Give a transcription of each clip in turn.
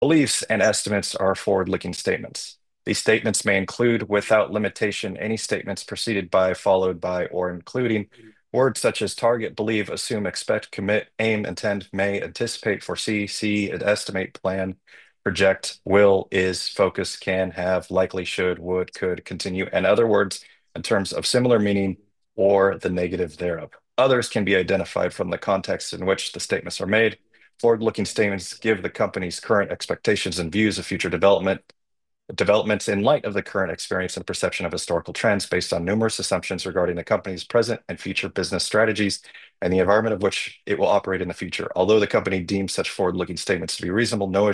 Beliefs and estimates are forward-looking statements. These statements may include, without limitation, any statements preceded by, followed by, or including words such as target, believe, assume, expect, commit, aim, intend, may, anticipate, foresee, see, and estimate, plan, project, will, is, focus, can, have, likely, should, would, could, continue, and other words in terms of similar meaning or the negative thereof. Others can be identified from the context in which the statements are made. Forward-looking statements give the company's current expectations and views of future developments in light of the current experience and perception of historical trends based on numerous assumptions regarding the company's present and future business strategies and the environment of which it will operate in the future. Although the company deems such forward-looking statements to be reasonable, no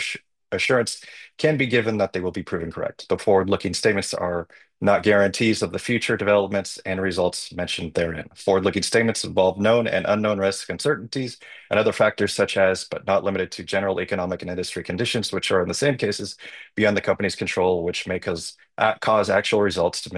assurance can be given that they will be proven correct. But forward-looking statements are not guarantees of future developments and results mentioned therein. Forward-looking statements involve known and unknown risks, uncertainties, and other factors such as, but not limited to, general economic and industry conditions, which are in many cases beyond the company's control, which may cause actual results to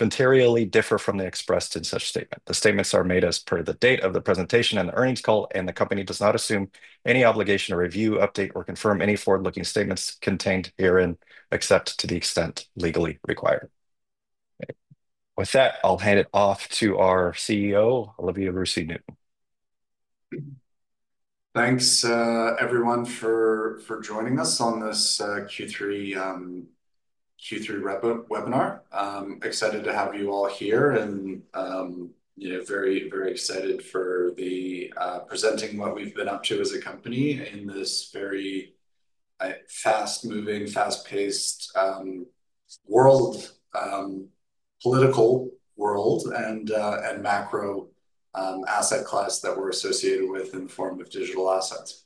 materially differ from those expressed in such statements. The statements are made as of the date of the presentation and the earnings call, and the company does not assume any obligation to review, update, or confirm any forward-looking statements contained herein except to the extent legally required. With that, I'll hand it off to our CEO, Olivier Roussy Newton. Thanks, everyone, for joining us on this Q3 webinar. Excited to have you all here and very, very excited for presenting what we've been up to as a company in this very fast-moving, fast-paced political world and macro asset class that we're associated with in the form of digital assets.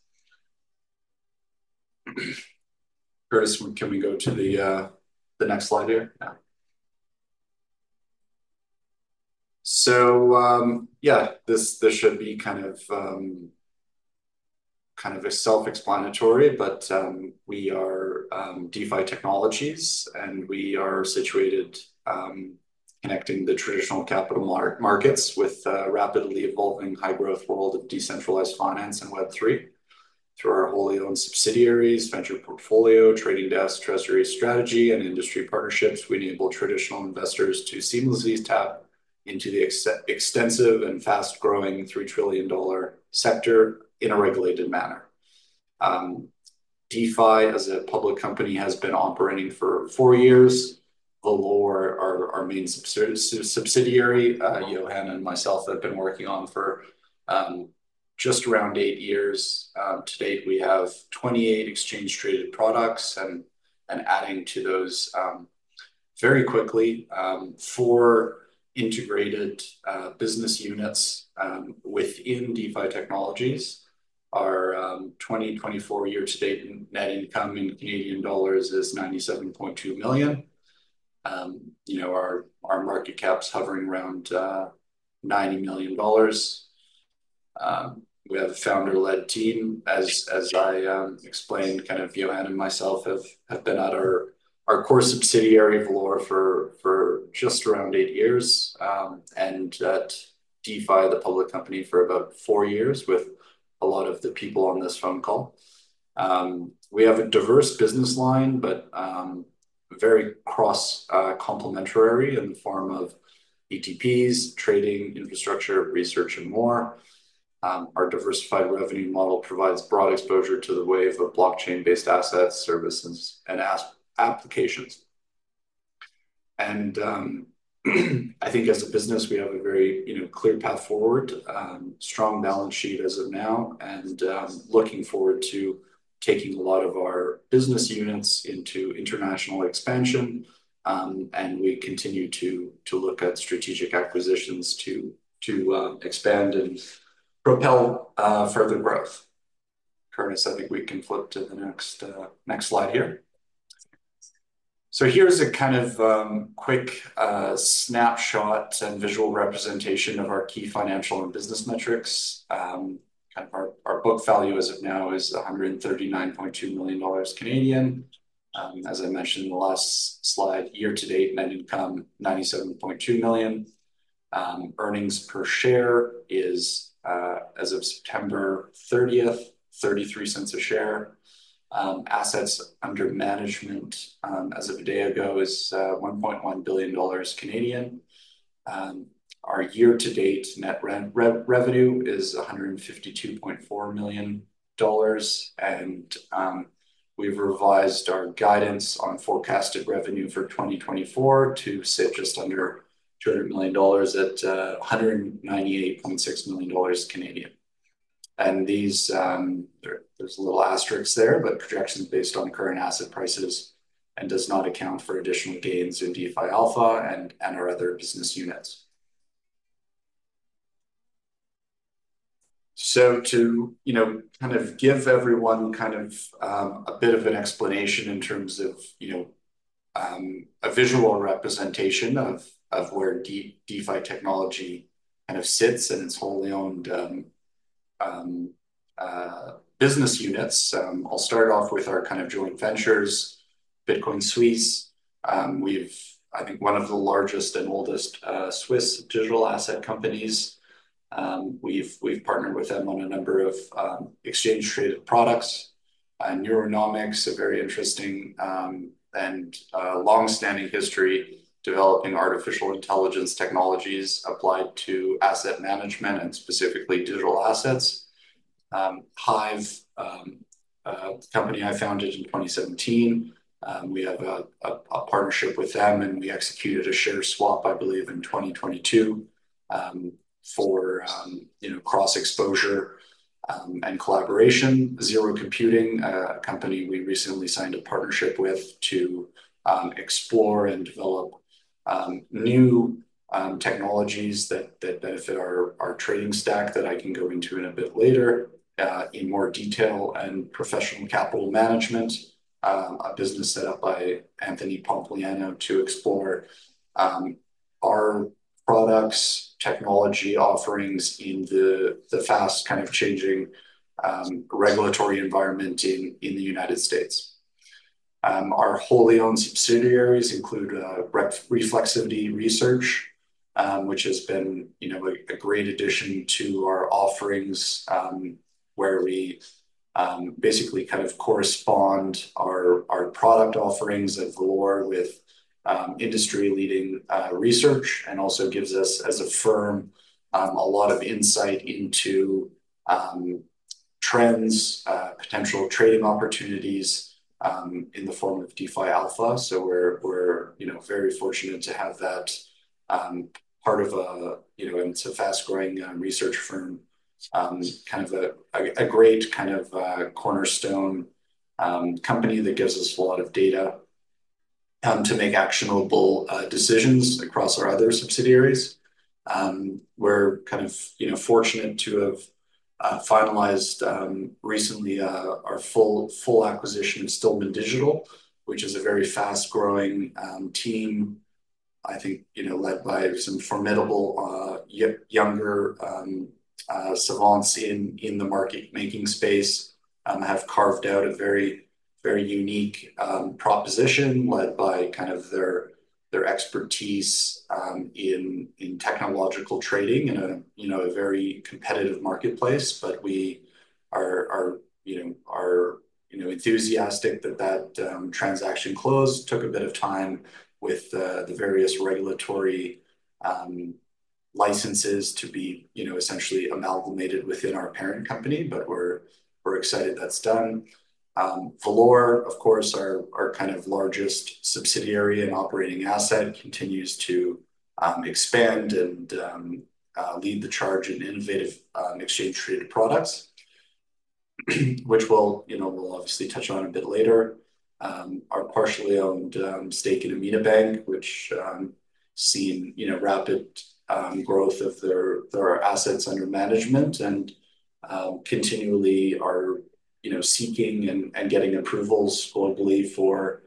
Curtis, can we go to the next slide here? Yeah. So yeah, this should be kind of self-explanatory, but we are DeFi Technologies, and we are situated connecting the traditional capital markets with a rapidly evolving high-growth world of decentralized finance and Web3 through our wholly-owned subsidiaries, venture portfolio, trading desk, treasury strategy, and industry partnerships. We enable traditional investors to seamlessly tap into the extensive and fast-growing $3 trillion sector in a regulated manner. DeFi, as a public company, has been operating for four years. Valour, our main subsidiary, Johan and myself have been working on for just around eight years. To date, we have 28 exchange-traded products, and adding to those very quickly. Four integrated business units within DeFi Technologies. Our 2024 year-to-date net income in Canadian dollars is 97.2 million. Our market cap's hovering around 90 million dollars. We have a founder-led team. As I explained, kind of Johan and myself have been at our core subsidiary of Valour for just around eight years, and at DeFi, the public company, for about four years with a lot of the people on this phone call. We have a diverse business line, but very cross-complementary in the form of ETPs, trading, infrastructure, research, and more. Our diversified revenue model provides broad exposure to the wave of blockchain-based assets, services, and applications. I think as a business, we have a very clear path forward, strong balance sheet as of now, and looking forward to taking a lot of our business units into international expansion. We continue to look at strategic acquisitions to expand and propel further growth. Curtis, I think we can flip to the next slide here. Here's a kind of quick snapshot and visual representation of our key financial and business metrics. Kind of our book value as of now is 139.2 million Canadian dollars. As I mentioned in the last slide, year-to-date net income 97.2 million. Earnings per share is, as of September 30th, 0.33 a share. Assets under management as of a day ago is 1.1 billion Canadian dollars. Our year-to-date net revenue is 152.4 million dollars. We've revised our guidance on forecasted revenue for 2024 to sit just under 200 million dollars at 198.6 million Canadian dollars. There's a little asterisk there, but projection is based on current asset prices and does not account for additional gains in DeFi Alpha and our other business units. To kind of give everyone kind of a bit of an explanation in terms of a visual representation of where DeFi Technologies kind of sits and its wholly-owned business units, I'll start off with our kind of joint ventures, Bitcoin Suisse. We've, I think, one of the largest and oldest Swiss digital asset companies. We've partnered with them on a number of exchange-traded products. Neuronomics, a very interesting and long-standing history developing artificial intelligence technologies applied to asset management and specifically digital assets. Hive, a company I founded in 2017. We have a partnership with them, and we executed a share swap, I believe, in 2022 for cross-exposure and collaboration. Zero Computing, a company we recently signed a partnership with to explore and develop new technologies that benefit our trading stack that I can go into in a bit later in more detail, and Professional Capital Management, a business set up by Anthony Pompliano to explore our products, technology offerings in the fast kind of changing regulatory environment in the United States. Our wholly-owned subsidiaries include Reflexivity Research, which has been a great addition to our offerings where we basically kind of correspond our product offerings at Valour with industry-leading research and also gives us, as a firm, a lot of insight into trends, potential trading opportunities in the form of DeFi Alpha. We're very fortunate to have that part of a, it's a fast-growing research firm, kind of a great kind of cornerstone company that gives us a lot of data to make actionable decisions across our other subsidiaries. We're kind of fortunate to have finalized recently our full acquisition of Stillman Digital, which is a very fast-growing team, I think, led by some formidable younger savants in the market-making space, have carved out a very unique proposition led by kind of their expertise in technological trading in a very competitive marketplace. But we are enthusiastic that that transaction closed. It took a bit of time with the various regulatory licenses to be essentially amalgamated within our parent company, but we're excited that's done. Valour, of course, our kind of largest subsidiary and operating asset continues to expand and lead the charge in innovative exchange-traded products, which we'll obviously touch on a bit later. Our partially-owned stake in Amina Bank, which has seen rapid growth of their assets under management and continually are seeking and getting approvals globally for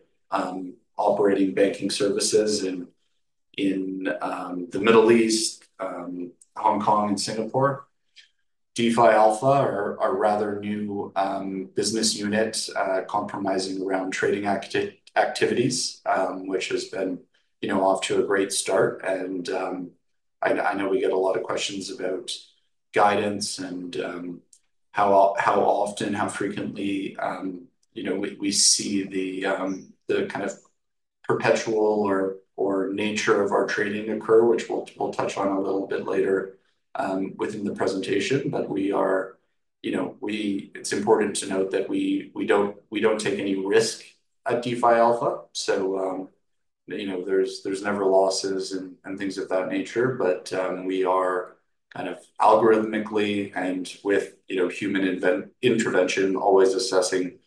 operating banking services in the Middle East, Hong Kong, and Singapore. DeFi Alpha are a rather new business unit comprising around trading activities, which has been off to a great start, and I know we get a lot of questions about guidance and how often, how frequently we see the kind of perpetual in nature of our trading occur, which we'll touch on a little bit later within the presentation, but it's important to note that we don't take any risk at DeFi Alpha. There's never losses and things of that nature, but we are kind of algorithmically and with human intervention always assessing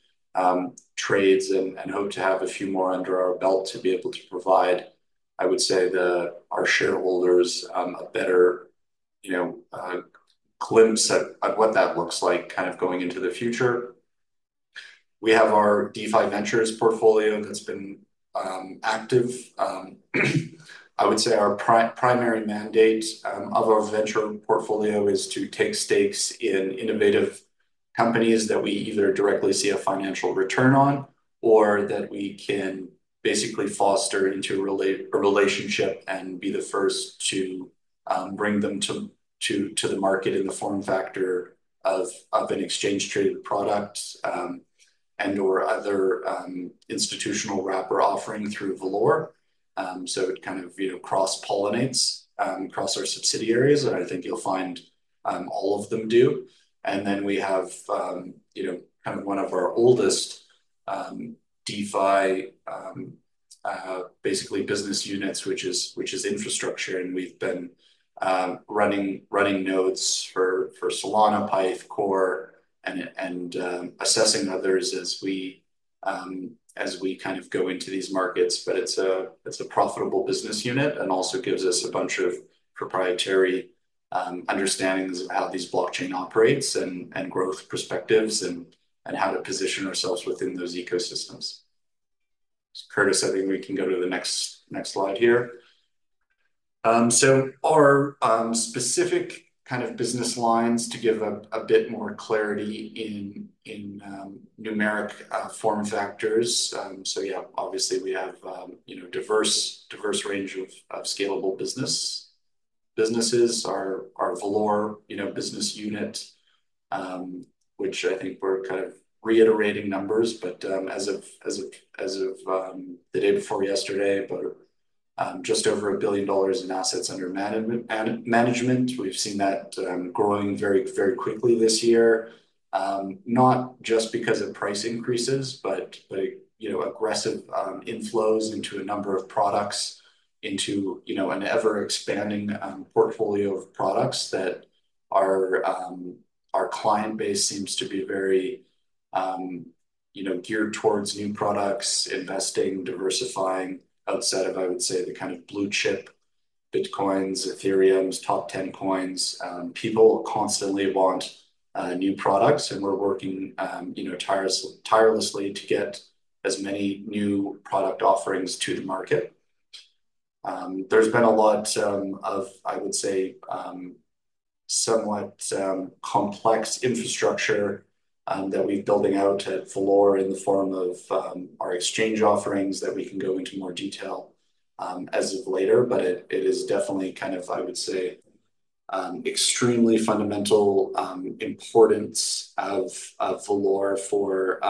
trades and hope to have a few more under our belt to be able to provide, I would say, our shareholders a better glimpse at what that looks like kind of going into the future. We have our DeFi Ventures portfolio that's been active. I would say our primary mandate of our venture portfolio is to take stakes in innovative companies that we either directly see a financial return on or that we can basically foster into a relationship and be the first to bring them to the market in the form factor of an exchange-traded product and/or other institutional wrapper offering through Valour. So it kind of cross-pollinates across our subsidiaries, and I think you'll find all of them do. And then we have kind of one of our oldest DeFi basically business units, which is infrastructure, and we've been running nodes for Solana, Pyth, Core, and assessing others as we kind of go into these markets. But it's a profitable business unit and also gives us a bunch of proprietary understandings of how these blockchain operates and growth perspectives and how to position ourselves within those ecosystems. Curtis, I think we can go to the next slide here. So our specific kind of business lines to give a bit more clarity in numeric form factors. So yeah, obviously, we have a diverse range of scalable businesses. Our Valour business unit, which I think we're kind of reiterating numbers, but as of the day before yesterday, just over $1 billion in assets under management. We've seen that growing very quickly this year, not just because of price increases, but aggressive inflows into a number of products, into an ever-expanding portfolio of products that our client base seems to be very geared towards new products, investing, diversifying outside of, I would say, the kind of blue chip Bitcoins, Ethereums, top 10 coins. People constantly want new products, and we're working tirelessly to get as many new product offerings to the market. There's been a lot of, I would say, somewhat complex infrastructure that we're building out at Valour in the form of our exchange offerings that we can go into more detail as of later. But it is definitely kind of, I would say, extremely fundamental importance of Valour for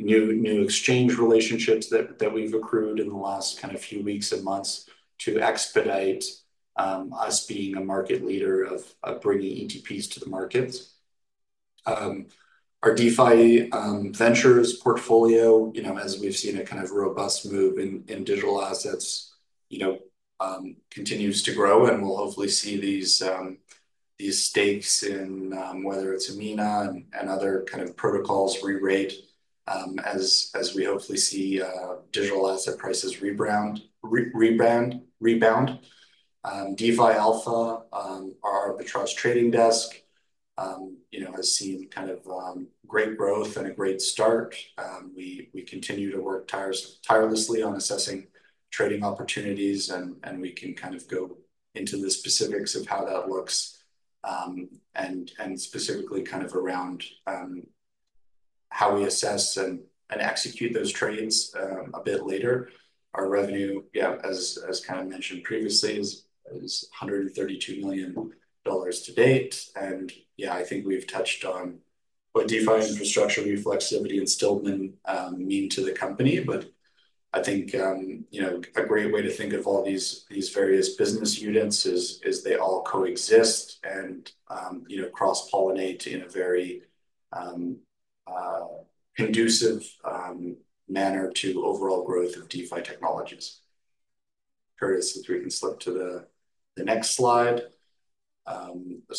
new exchange relationships that we've accrued in the last kind of few weeks and months to expedite us being a market leader of bringing ETPs to the markets. Our DeFi Ventures portfolio, as we've seen a kind of robust move in digital assets, continues to grow and will hopefully see these stakes in whether it's Amina and other kind of protocols re-rated as we hopefully see digital asset prices rebound. DeFi Alpha, our Arbitrage Trading Desk, has seen kind of great growth and a great start. We continue to work tirelessly on assessing trading opportunities, and we can kind of go into the specifics of how that looks and specifically kind of around how we assess and execute those trades a bit later. Our revenue, yeah, as kind of mentioned previously, is $132 million to date. Yeah, I think we've touched on what DeFi infrastructure, Reflexivity, and Stillman mean to the company. But I think a great way to think of all these various business units is they all coexist and cross-pollinate in a very conducive manner to overall growth of DeFi Technologies. Curtis, if we can slip to the next slide.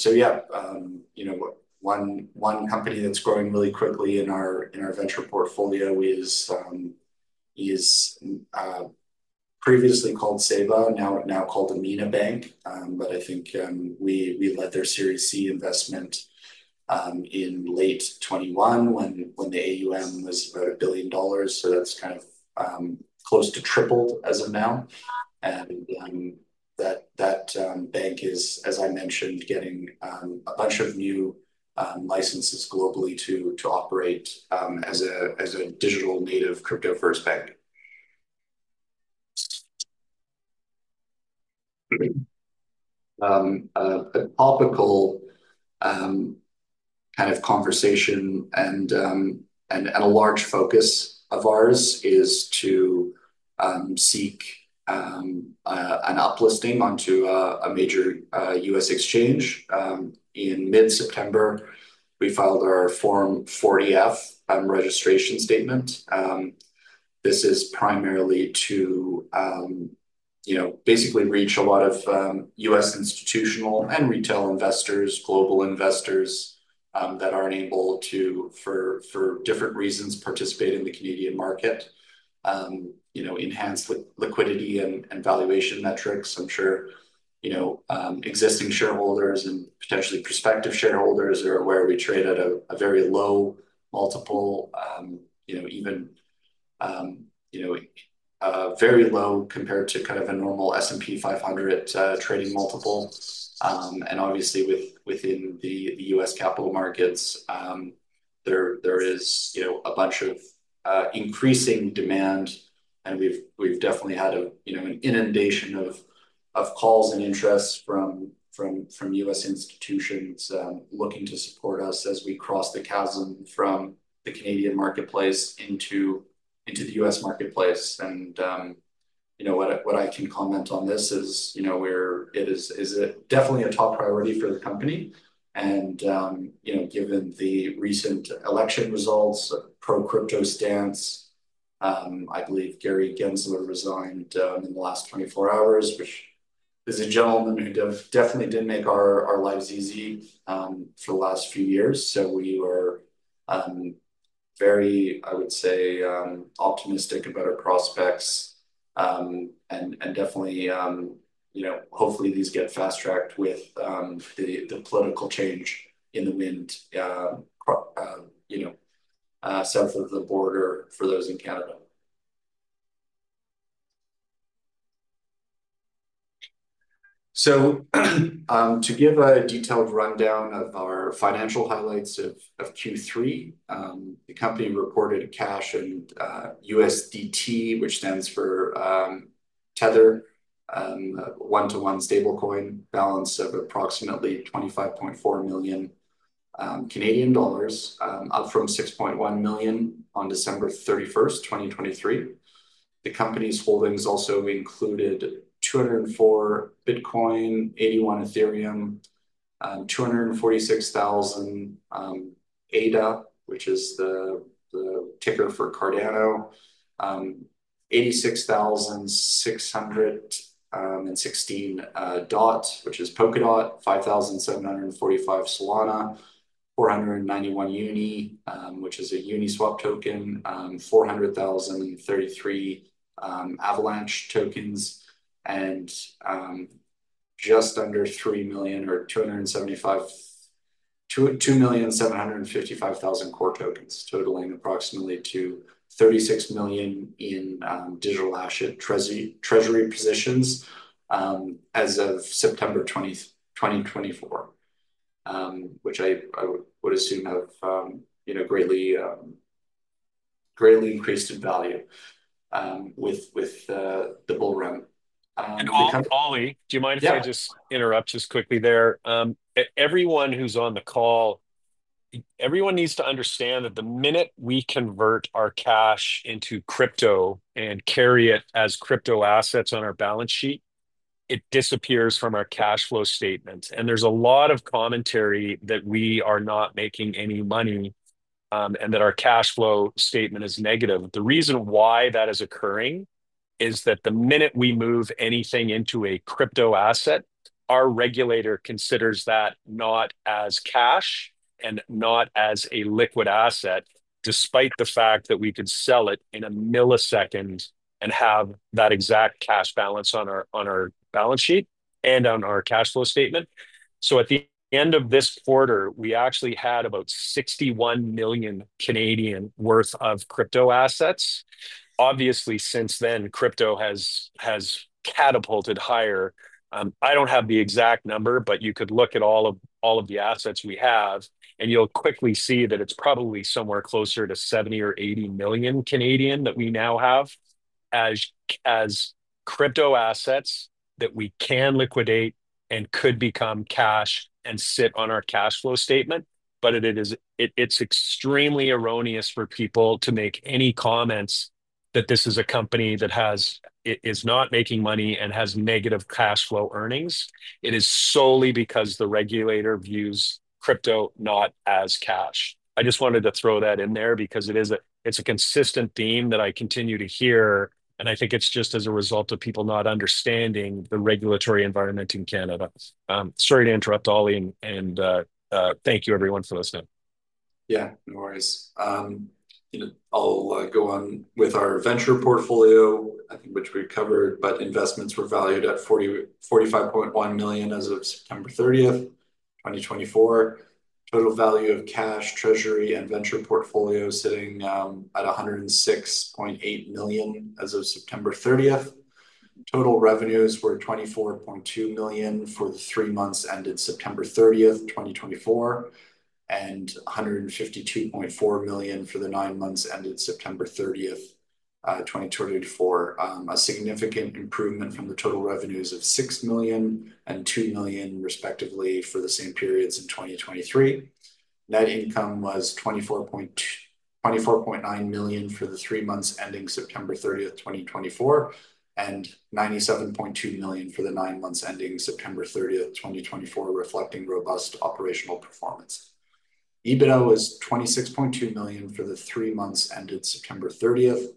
Yeah, one company that's growing really quickly in our venture portfolio is previously called SEBA, now called Amina Bank. But I think we led their Series C investment in late 2021 when the AUM was about $1 billion. So that's kind of close to tripled as of now. And that bank is, as I mentioned, getting a bunch of new licenses globally to operate as a digital native crypto-first bank. A topical kind of conversation and a large focus of ours is to seek an uplisting onto a major U.S. exchange. In mid-September, we filed our Form 40-F registration statement. This is primarily to basically reach a lot of U.S. institutional and retail investors, global investors that aren't able to, for different reasons, participate in the Canadian market, enhance liquidity and valuation metrics. I'm sure existing shareholders and potentially prospective shareholders are aware we trade at a very low multiple, even very low compared to kind of a normal S&P 500 trading multiple, and obviously, within the U.S. capital markets, there is a bunch of increasing demand, and we've definitely had an inundation of calls and interest from U.S. institutions looking to support us as we cross the chasm from the Canadian marketplace into the U.S. marketplace. What I can comment on this is it is definitely a top priority for the company. Given the recent election results, pro-crypto stance, I believe Gary Gensler resigned in the last 24 hours, which is a gentleman who definitely didn't make our lives easy for the last few years. We were very, I would say, optimistic about our prospects and definitely, hopefully, these get fast-tracked with the political change in the wind south of the border for those in Canada. To give a detailed rundown of our financial highlights of Q3, the company reported cash and USDT, which stands for Tether, a one-to-one stablecoin balance of approximately 25.4 million Canadian dollars, up from 6.1 million on December 31st, 2023. The company's holdings also included 204 Bitcoin, 81 Ethereum, 246,000 ADA, which is the ticker for Cardano, 86,616 DOT, which is Polkadot, 5,745 Solana, 491 UNI, which is a Uniswap token, 400,033 Avalanche tokens, and just under 3 million or 2,755,000 Core tokens, totaling approximately $36 million in digital asset treasury positions as of September 2024, which I would assume have greatly increased in value with the bull run. Ollie, do you mind if I just interrupt just quickly there? Everyone who's on the call, everyone needs to understand that the minute we convert our cash into crypto and carry it as crypto assets on our balance sheet, it disappears from our cash flow statement. There's a lot of commentary that we are not making any money and that our cash flow statement is negative. The reason why that is occurring is that the minute we move anything into a crypto asset, our regulator considers that not as cash and not as a liquid asset, despite the fact that we could sell it in a millisecond and have that exact cash balance on our balance sheet and on our cash flow statement. So at the end of this quarter, we actually had about 61 million worth of crypto assets. Obviously, since then, crypto has catapulted higher. I don't have the exact number, but you could look at all of the assets we have, and you'll quickly see that it's probably somewhere closer to 70 million-80 million that we now have as crypto assets that we can liquidate and could become cash and sit on our cash flow statement. But it's extremely erroneous for people to make any comments that this is a company that is not making money and has negative cash flow earnings. It is solely because the regulator views crypto not as cash. I just wanted to throw that in there because it's a consistent theme that I continue to hear, and I think it's just as a result of people not understanding the regulatory environment in Canada. Sorry to interrupt, Ollie, and thank you, everyone, for listening. Yeah, no worries. I'll go on with our venture portfolio, which we covered, but investments were valued at 45.1 million as of September 30th, 2024. Total value of cash, treasury, and venture portfolio sitting at 106.8 million as of September 30th, 2024. Total revenues were 24.2 million for the three months ended September 30th, 2024, and 152.4 million for the nine months ended September 30th, 2024. A significant improvement from the total revenues of 6 million and 2 million, respectively, for the same periods in 2023. Net income was 24.9 million for the three months ending September 30th, 2024, and 97.2 million for the nine months ending September 30th, 2024, reflecting robust operational performance. EBITDA was 26.2 million for the three months ended September 30th,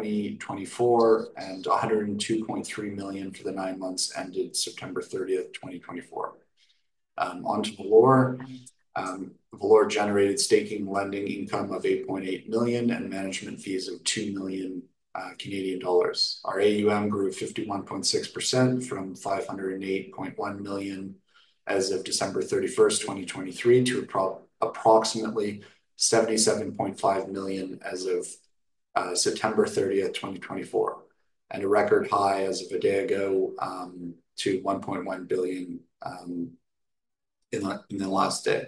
2024, and 102.3 million for the nine months ended September 30th, 2024. Onto Valour. Valour generated staking lending income of 8.8 million and management fees of 2 million Canadian dollars. Our AUM grew 51.6% from 508.1 million as of December 31st, 2023, to approximately 77.5 million as of September 30th, 2024, and a record high as of a day ago to 1.1 billion in the last day.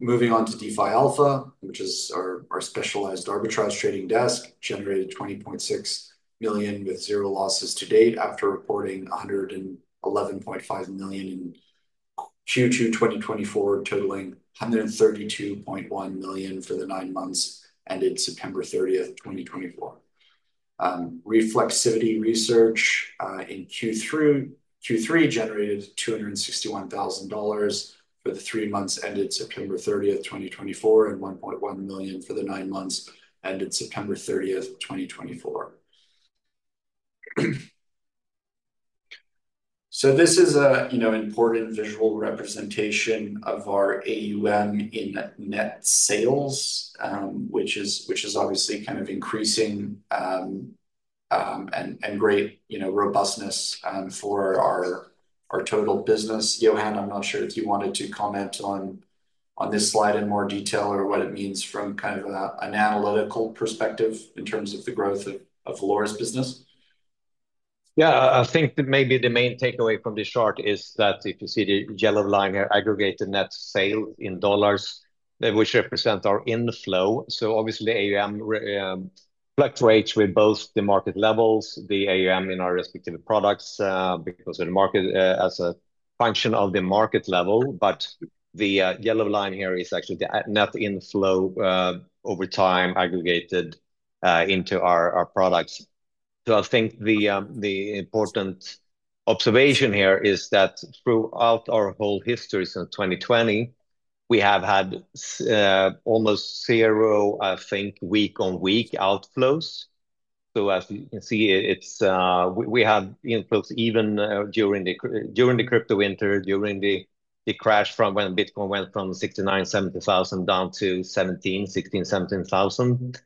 Moving on to DeFi Alpha, which is our specialized arbitrage trading desk, generated $20.6 million with zero losses to date after reporting $111.5 million in Q2 2024, totaling $132.1 million for the nine months ended September 30th, 2024. Reflexivity Research in Q3 generated $261,000 for the three months ended September 30th, 2024, and $1.1 million for the nine months ended September 30th, 2024. So this is an important visual representation of our AUM in net sales, which is obviously kind of increasing and great robustness for our total business. Johan, I'm not sure if you wanted to comment on this slide in more detail or what it means from kind of an analytical perspective in terms of the growth of Valour's business. Yeah, I think maybe the main takeaway from this chart is that if you see the yellow line here, aggregated net sales in dollars, which represent our inflow. So obviously, AUM fluctuates with both the market levels, the AUM in our respective products because of the market as a function of the market level. But the yellow line here is actually the net inflow over time aggregated into our products. So I think the important observation here is that throughout our whole history since 2020, we have had almost zero, I think, week-on-week outflows. So as you can see, we had inflows even during the crypto winter, during the crash from when Bitcoin went from 69,000, 70,000 down to 16,000, 17,000.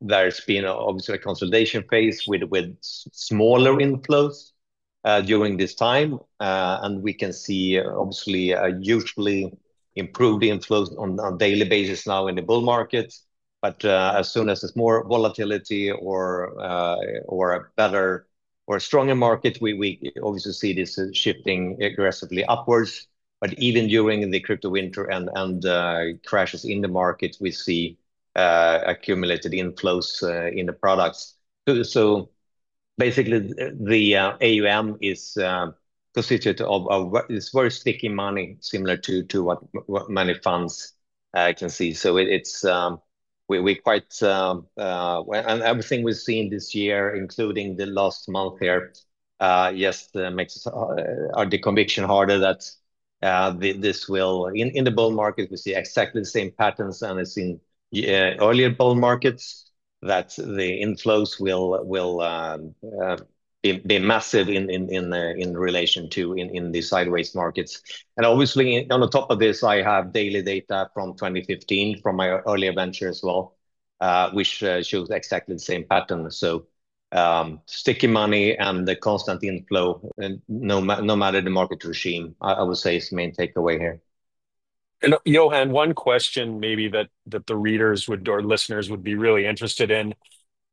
There's been obviously a consolidation phase with smaller inflows during this time. And we can see, obviously, a hugely improved inflow on a daily basis now in the bull market. But as soon as there's more volatility or a better or a stronger market, we obviously see this shifting aggressively upwards. But even during the crypto winter and crashes in the market, we see accumulated inflows in the products. So basically, the AUM is constituted of very sticky money, similar to what many funds can see. So we quite and everything we've seen this year, including the last month here, just makes our conviction harder that this will in the bull market, we see exactly the same patterns as in earlier bull markets, that the inflows will be massive in relation to in the sideways markets. And obviously, on the top of this, I have daily data from 2015 from my earlier venture as well, which shows exactly the same pattern. So sticky money and the constant inflow. No matter the market regime, I would say is the main takeaway here. And Johan, one question maybe that the readers or listeners would be really interested in.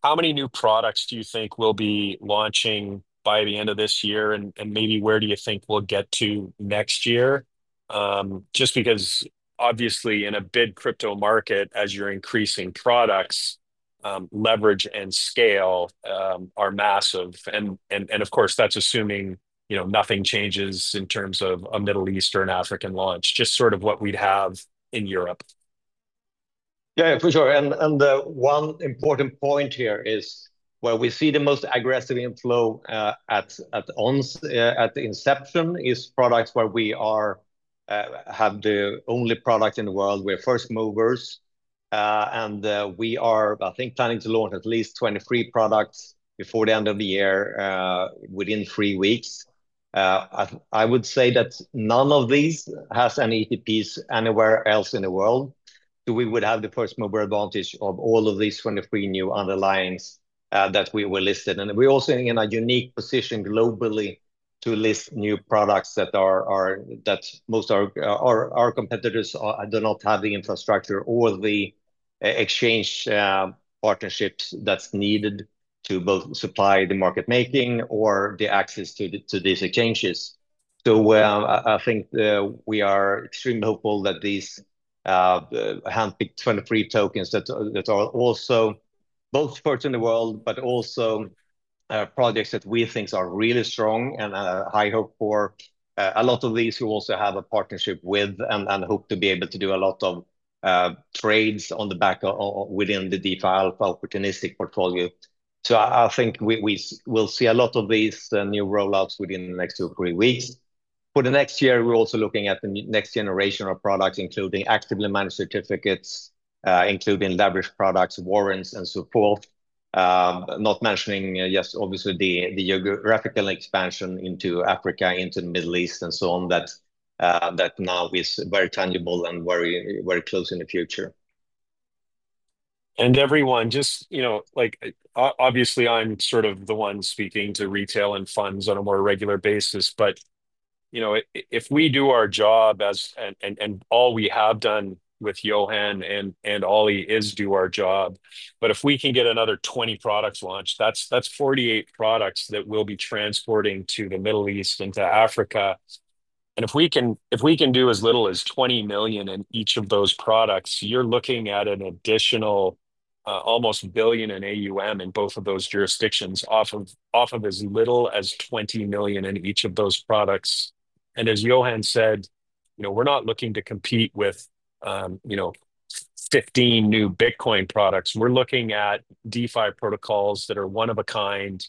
How many new products do you think will be launching by the end of this year? And maybe where do you think we'll get to next year? Just because obviously, in a big crypto market, as you're increasing products, leverage and scale are massive. And of course, that's assuming nothing changes in terms of a Middle Eastern African launch, just sort of what we'd have in Europe. Yeah, for sure. And one important point here is where we see the most aggressive inflow at the inception is products where we have the only product in the world. We're first movers. And we are, I think, planning to launch at least 23 products before the end of the year within three weeks. I would say that none of these has any ETPs anywhere else in the world. We would have the first mover advantage of all of these 23 new underlyings that we were listed. We're also in a unique position globally to list new products that most of our competitors do not have the infrastructure or the exchange partnerships that's needed to both supply the market making or the access to these exchanges. I think we are extremely hopeful that these handpicked 23 tokens that are also both first in the world, but also projects that we think are really strong and high hope for a lot of these who also have a partnership with and hope to be able to do a lot of trades on the back within the DeFi Alpha opportunistic portfolio. I think we will see a lot of these new rollouts within the next two or three weeks. For the next year, we're also looking at the next generation of products, including actively managed certificates, including leverage products, warrants, and so forth. Not to mention, yes, obviously, the geographical expansion into Africa, into the Middle East, and so on that now is very tangible and very close in the future, and everyone, just obviously, I'm sort of the one speaking to retail and funds on a more regular basis, but if we do our job, and all we have done with Johan and Ollie is do our job, but if we can get another 20 products launched, that's 48 products that we'll be transporting to the Middle East and to Africa. And if we can do as little as 20 million in each of those products, you're looking at an additional almost billion in AUM in both of those jurisdictions off of as little as 20 million in each of those products. And as Johan said, we're not looking to compete with 15 new Bitcoin products. We're looking at DeFi protocols that are one of a kind.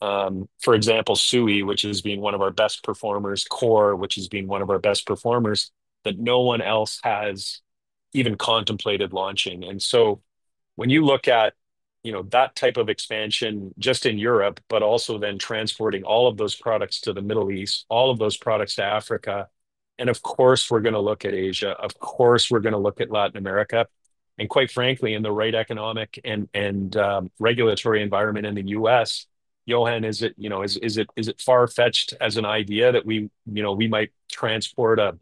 For example, Sui, which has been one of our best performers, CORE, which has been one of our best performers that no one else has even contemplated launching. And so when you look at that type of expansion just in Europe, but also then transporting all of those products to the Middle East, all of those products to Africa. And of course, we're going to look at Asia. Of course, we're going to look at Latin America. And quite frankly, in the right economic and regulatory environment in the US, Johan, is it far-fetched as an idea that we might transport a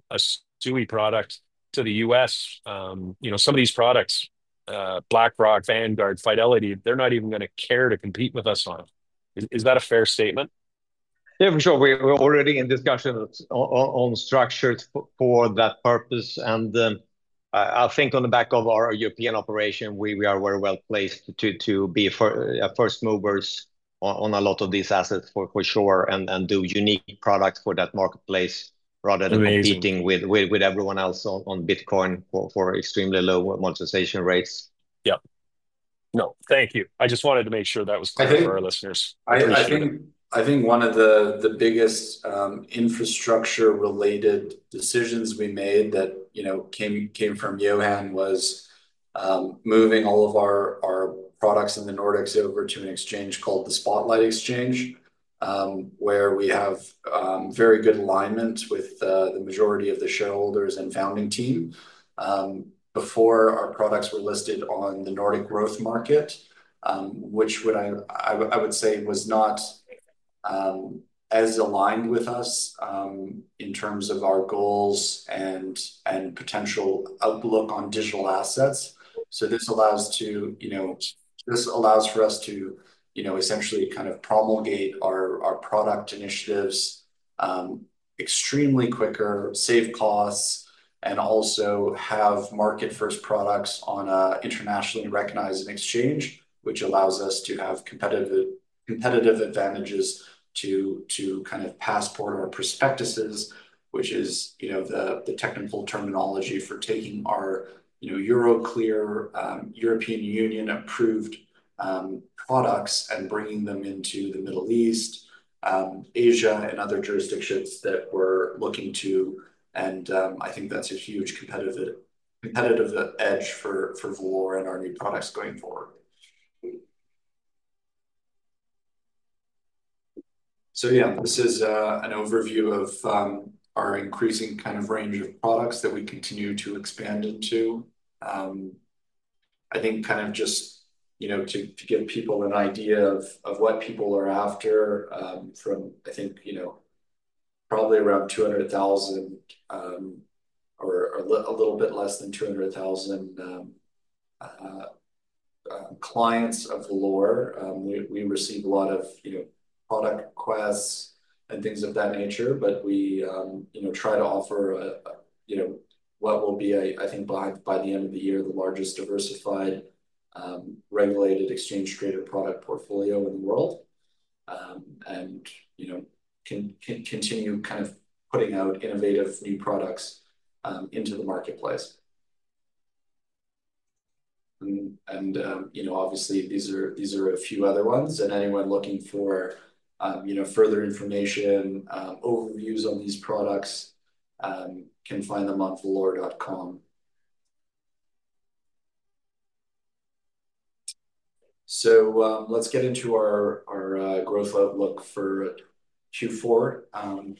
Sui product to the US? Some of these products, BlackRock, Vanguard, Fidelity, they're not even going to care to compete with us on. Is that a fair statement? Yeah, for sure. We're already in discussions on structures for that purpose. And I think on the back of our European operation, we are very well placed to be first movers on a lot of these assets, for sure, and do unique products for that marketplace rather than competing with everyone else on Bitcoin for extremely low monetization rates. Yeah. No, thank you. I just wanted to make sure that was clear for our listeners. I think one of the biggest infrastructure-related decisions we made that came from Johan was moving all of our products in the Nordics over to an exchange called the Spotlight Stock Market, where we have very good alignment with the majority of the shareholders and founding team. Before, our products were listed on the Nordic Growth Market, which I would say was not as aligned with us in terms of our goals and potential outlook on digital assets. So this allows for us to essentially kind of promulgate our product initiatives extremely quicker, save costs, and also have market-first products on an internationally recognized exchange, which allows us to have competitive advantages to kind of passport our prospectuses, which is the technical terminology for taking our Euroclear, European Union-approved products and bringing them into the Middle East, Asia, and other jurisdictions that we're looking to. I think that's a huge competitive edge for Valour and our new products going forward. So yeah, this is an overview of our increasing kind of range of products that we continue to expand into. I think kind of just to give people an idea of what people are after from, I think, probably around 200,000 or a little bit less than 200,000 clients of Valour. We receive a lot of product requests and things of that nature, but we try to offer what will be, I think, by the end of the year, the largest diversified regulated exchange-traded product portfolio in the world and continue kind of putting out innovative new products into the marketplace. Obviously, these are a few other ones. And anyone looking for further information, overviews on these products can find them on valour.com. So let's get into our growth outlook for Q4.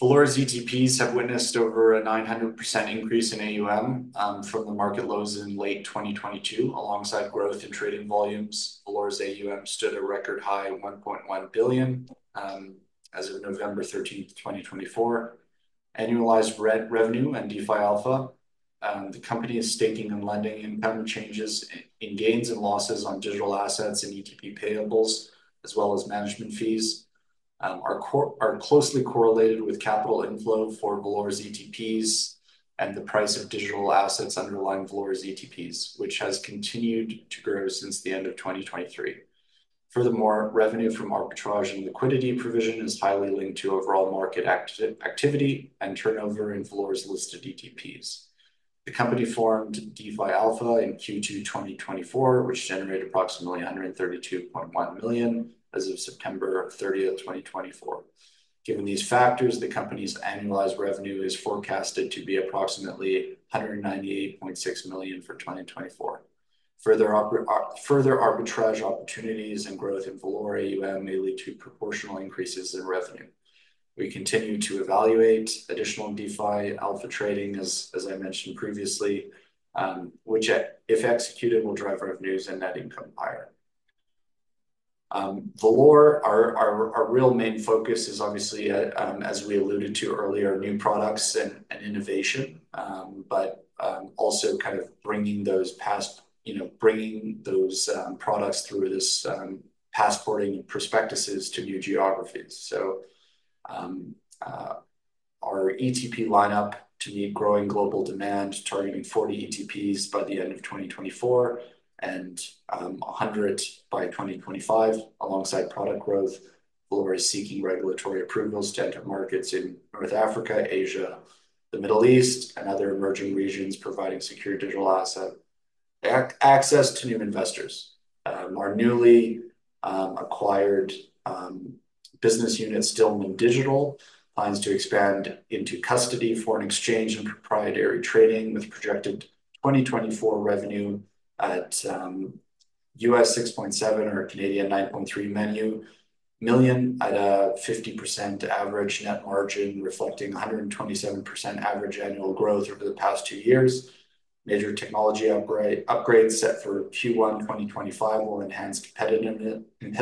Valour's ETPs have witnessed over a 900% increase in AUM from the market lows in late 2022. Alongside growth in trading volumes, Valour's AUM stood at a record high of 1.1 billion as of November 13th, 2024. Annualized revenue from DeFi Alpha, the company's staking and lending income, changes in gains and losses on digital assets and ETP payables, as well as management fees, are closely correlated with capital inflow for Valour's ETPs and the price of digital assets underlying Valour's ETPs, which has continued to grow since the end of 2023. Furthermore, revenue from arbitrage and liquidity provision is highly linked to overall market activity and turnover in Valour's listed ETPs. The company formed DeFi Alpha in Q2 2024, which generated approximately 132.1 million as of September 30th, 2024. Given these factors, the company's annualized revenue is forecasted to be approximately 198.6 million for 2024. Further arbitrage opportunities and growth in Valour AUM may lead to proportional increases in revenue. We continue to evaluate additional DeFi Alpha trading, as I mentioned previously, which, if executed, will drive revenues and net income higher. Valour, our real main focus is obviously, as we alluded to earlier, new products and innovation, but also kind of bringing those products through this passporting and prospectuses to new geographies. So our ETP lineup to meet growing global demand, targeting 40 ETPs by the end of 2024 and 100 by 2025. Alongside product growth, Valour is seeking regulatory approvals to enter markets in North Africa, Asia, the Middle East, and other emerging regions, providing secure digital asset access to new investors. Our newly acquired business unit, Stillman Digital, plans to expand into custody foreign exchange and proprietary trading with projected 2024 revenue at $6.7 or 9.3 million at a 50% average net margin, reflecting 127% average annual growth over the past two years. Major technology upgrades set for Q1 2025 will enhance competitiveness and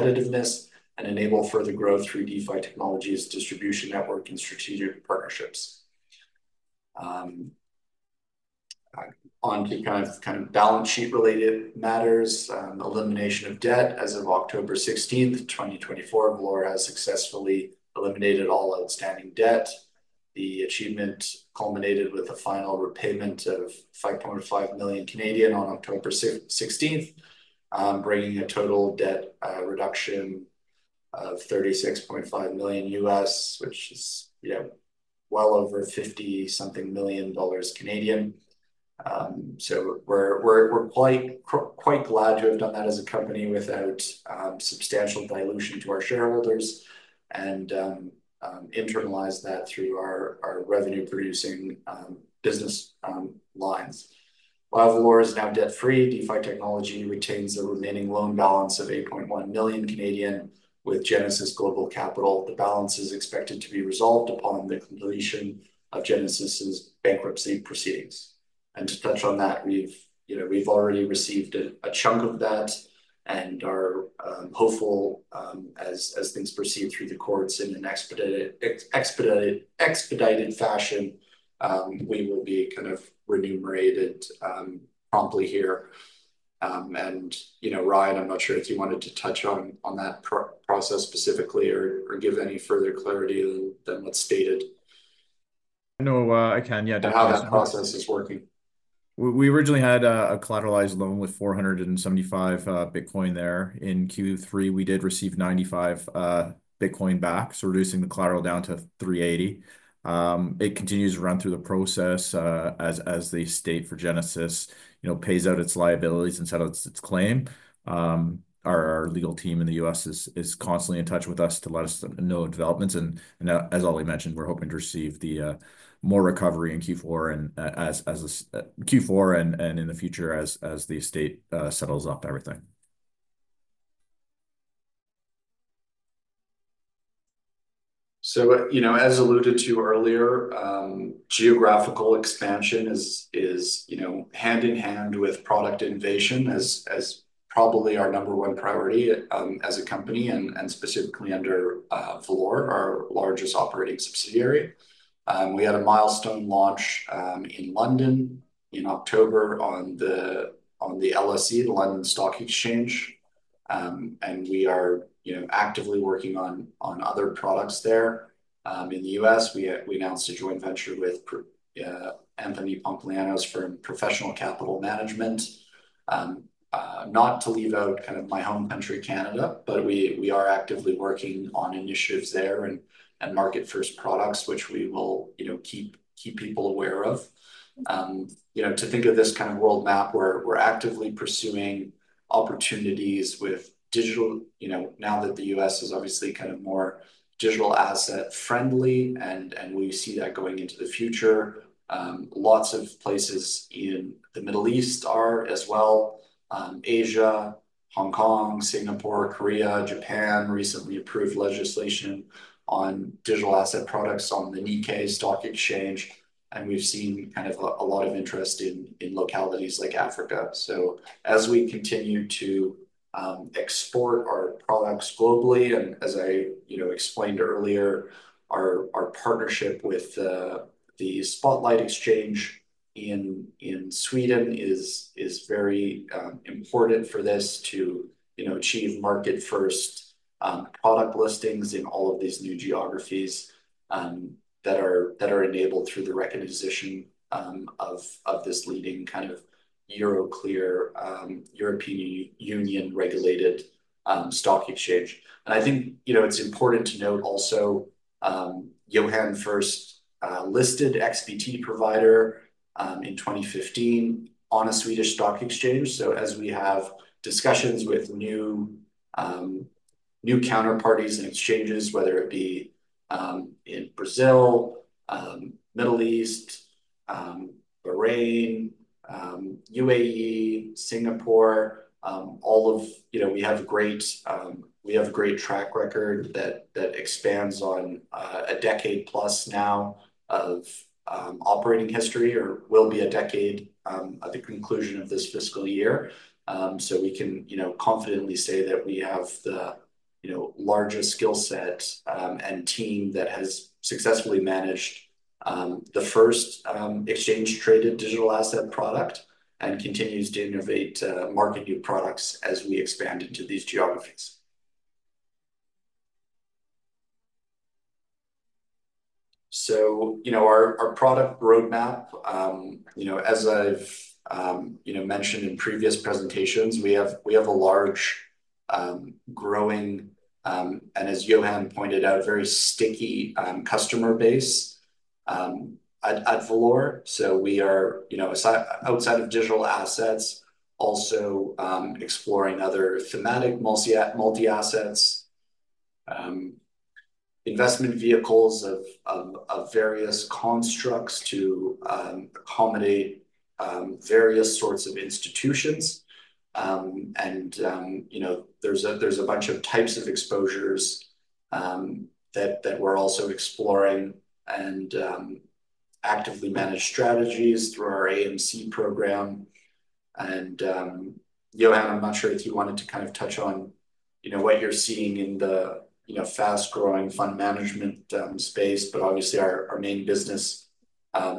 enable further growth through DeFi Technologies, distribution network, and strategic partnerships. Onto kind of balance sheet-related matters, elimination of debt. As of October 16th, 2024, Valour has successfully eliminated all outstanding debt. The achievement culminated with a final repayment of 5.5 million on October 16th, bringing a total debt reduction of $36.5 million, which is well over 50-something million Canadian. So we're quite glad to have done that as a company without substantial dilution to our shareholders and internalized that through our revenue-producing business lines. While Valour is now debt-free, DeFi Technologies retains the remaining loan balance of 8.1 million CAD with Genesis Global Capital. The balance is expected to be resolved upon the completion of Genesis's bankruptcy proceedings. To touch on that, we've already received a chunk of that. We're hopeful, as things proceed through the courts in an expedited fashion, we will be kind of remunerated promptly here. Ryan, I'm not sure if you wanted to touch on that process specifically or give any further clarity than what's stated. No, I can. Yeah, definitely. How that process is working. We originally had a collateralized loan with 475 Bitcoin there. In Q3, we did receive 95 Bitcoin back, so reducing the collateral down to 380. It continues to run through the process as the estate for Genesis pays out its liabilities and settles its claim. Our legal team in the U.S. is constantly in touch with us to let us know developments, and as Ali mentioned, we're hoping to receive more recovery in Q4 and in the future as the estate settles up everything, so as alluded to earlier, geographical expansion is hand in hand with product innovation as probably our number one priority as a company and specifically under Valour, our largest operating subsidiary. We had a milestone launch in London in October on the LSE, the London Stock Exchange, and we are actively working on other products there. In the U.S., we announced a joint venture with Anthony Pompliano's firm, Professional Capital Management. Not to leave out kind of my home country, Canada, but we are actively working on initiatives there and market-first products, which we will keep people aware of. To think of this kind of world map where we're actively pursuing opportunities with digital, now that the US is obviously kind of more digital asset-friendly, and we see that going into the future. Lots of places in the Middle East are as well. Asia, Hong Kong, Singapore, Korea, Japan recently approved legislation on digital asset products on the Tokyo Stock Exchange. We've seen kind of a lot of interest in localities like Africa. As we continue to export our products globally, and as I explained earlier, our partnership with the Spotlight Stock Market in Sweden is very important for this to achieve market-first product listings in all of these new geographies that are enabled through the recognition of this leading kind of Euroclear, European Union-regulated stock exchange. I think it's important to note also Johan first listed XBT Provider in 2015 on a Swedish stock exchange. So as we have discussions with new counterparties and exchanges, whether it be in Brazil, Middle East, Bahrain, UAE, Singapore, all of we have a great track record that expands on a decade plus now of operating history or will be a decade at the conclusion of this fiscal year. So we can confidently say that we have the largest skill set and team that has successfully managed the first exchange-traded digital asset product and continues to innovate market new products as we expand into these geographies. So our product roadmap, as I've mentioned in previous presentations, we have a large growing, and as Johan pointed out, very sticky customer base at Valour. So we are outside of digital assets, also exploring other thematic multi-assets, investment vehicles of various constructs to accommodate various sorts of institutions. And there's a bunch of types of exposures that we're also exploring and actively managed strategies through our AMC program. Johan, I'm not sure if you wanted to kind of touch on what you're seeing in the fast-growing fund management space, but obviously our main business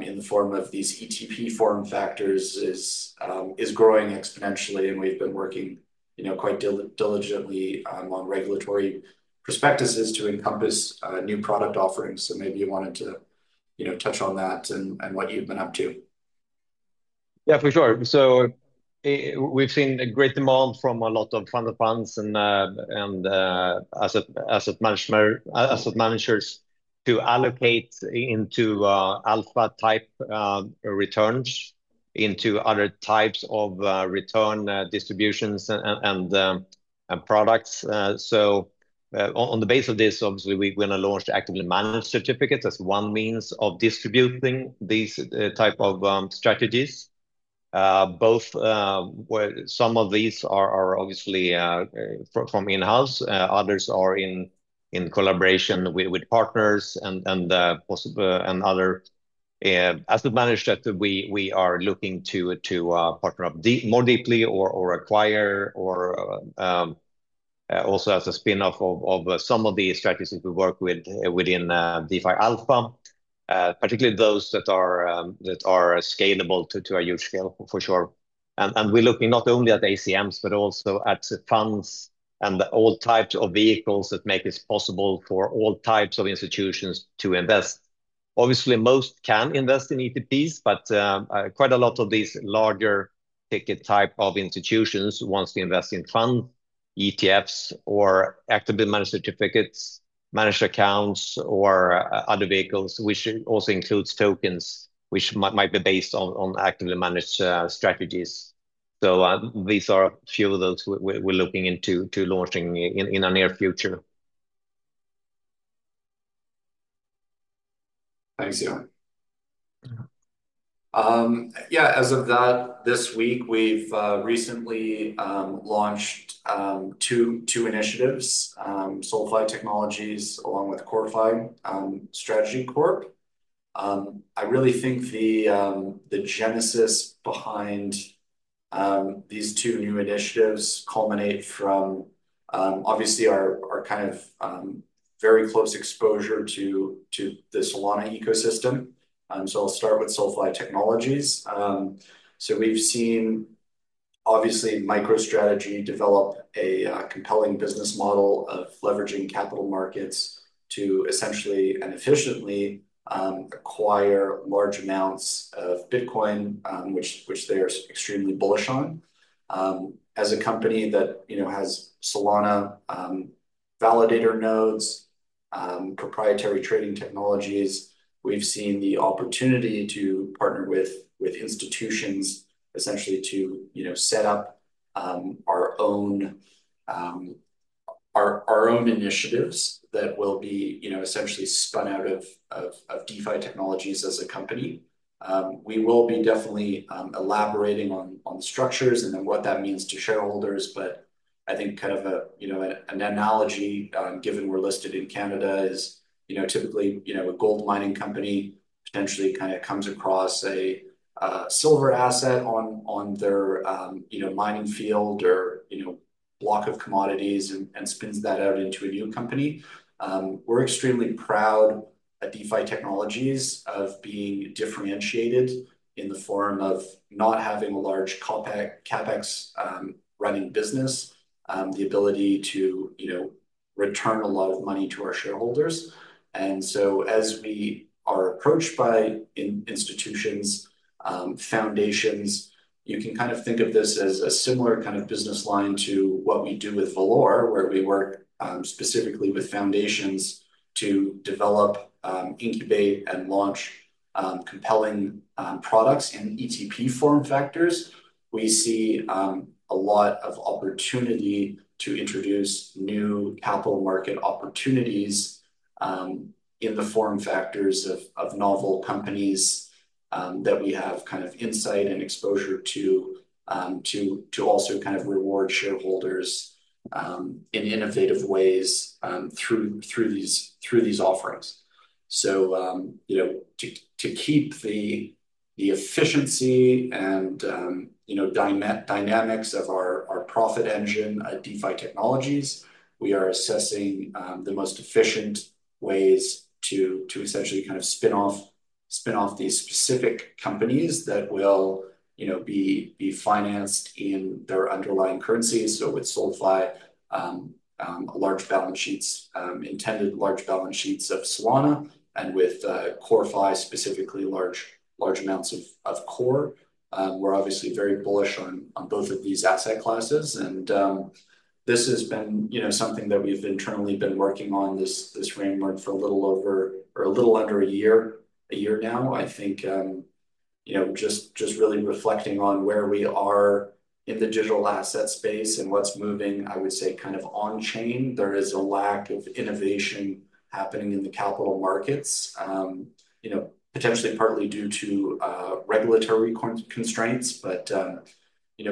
in the form of these ETP form factors is growing exponentially. And we've been working quite diligently on regulatory prospectuses to encompass new product offerings. So maybe you wanted to touch on that and what you've been up to. Yeah, for sure. So we've seen a great demand from a lot of funds and asset managers to allocate into Alpha type returns into other types of return distributions and products. So on the basis of this, obviously, we're going to launch the actively managed certificates as one means of distributing these types of strategies. Both some of these are obviously from in-house. Others are in collaboration with partners and other asset managers that we are looking to partner up more deeply or acquire or also as a spinoff of some of the strategies we work with within DeFi Alpha, particularly those that are scalable to a huge scale, for sure. And we're looking not only at AMCs, but also at funds and all types of vehicles that make it possible for all types of institutions to invest. Obviously, most can invest in ETPs, but quite a lot of these larger ticket type of institutions want to invest in funds, ETFs, or actively managed certificates, managed accounts, or other vehicles, which also includes tokens, which might be based on actively managed strategies. So these are a few of those we're looking into launching in the near future. Thanks, Johan. Yeah, as of that, this week, we've recently launched two initiatives, SolFi Technologies along with CoreFi Strategy Corp. I really think the genesis behind these two new initiatives culminate from, obviously, our kind of very close exposure to the Solana ecosystem. So I'll start with SolFi Technologies. So we've seen, obviously, MicroStrategy develop a compelling business model of leveraging capital markets to essentially and efficiently acquire large amounts of Bitcoin, which they are extremely bullish on. As a company that has Solana validator nodes, proprietary trading technologies, we've seen the opportunity to partner with institutions essentially to set up our own initiatives that will be essentially spun out of DeFi Technologies as a company. We will be definitely elaborating on the structures and then what that means to shareholders. But I think kind of an analogy, given we're listed in Canada, is typically a gold mining company potentially kind of comes across a silver asset on their mining field or block of commodities and spins that out into a new company. We're extremely proud at DeFi Technologies of being differentiated in the form of not having a large CapEx running business, the ability to return a lot of money to our shareholders. And so as we are approached by institutions, foundations, you can kind of think of this as a similar kind of business line to what we do with Valour, where we work specifically with foundations to develop, incubate, and launch compelling products and ETP form factors. We see a lot of opportunity to introduce new capital market opportunities in the form factors of novel companies that we have kind of insight and exposure to to also kind of reward shareholders in innovative ways through these offerings. So to keep the efficiency and dynamics of our profit engine at DeFi Technologies, we are assessing the most efficient ways to essentially kind of spin off these specific companies that will be financed in their underlying currencies. So with SolFi, large balance sheets, intended large balance sheets of Solana, and with CoreFi, specifically large amounts of Core. We're obviously very bullish on both of these asset classes. And this has been something that we've internally been working on this framework for a little over or a little under a year now. I think just really reflecting on where we are in the digital asset space and what's moving, I would say kind of on-chain, there is a lack of innovation happening in the capital markets, potentially partly due to regulatory constraints. But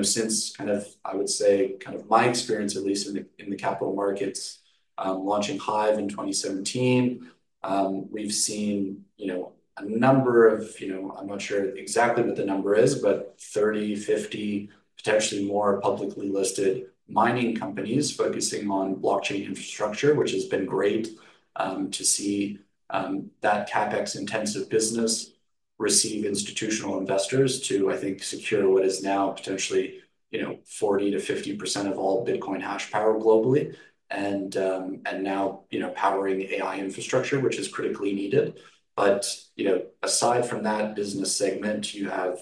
since kind of, I would say, kind of my experience, at least in the capital markets, launching Hive in 2017, we've seen a number of, I'm not sure exactly what the number is, but 30, 50, potentially more publicly listed mining companies focusing on blockchain infrastructure, which has been great to see that CapEx-intensive business receive institutional investors to, I think, secure what is now potentially 40%-50% of all Bitcoin hash power globally. And now powering AI infrastructure, which is critically needed. But aside from that business segment, you have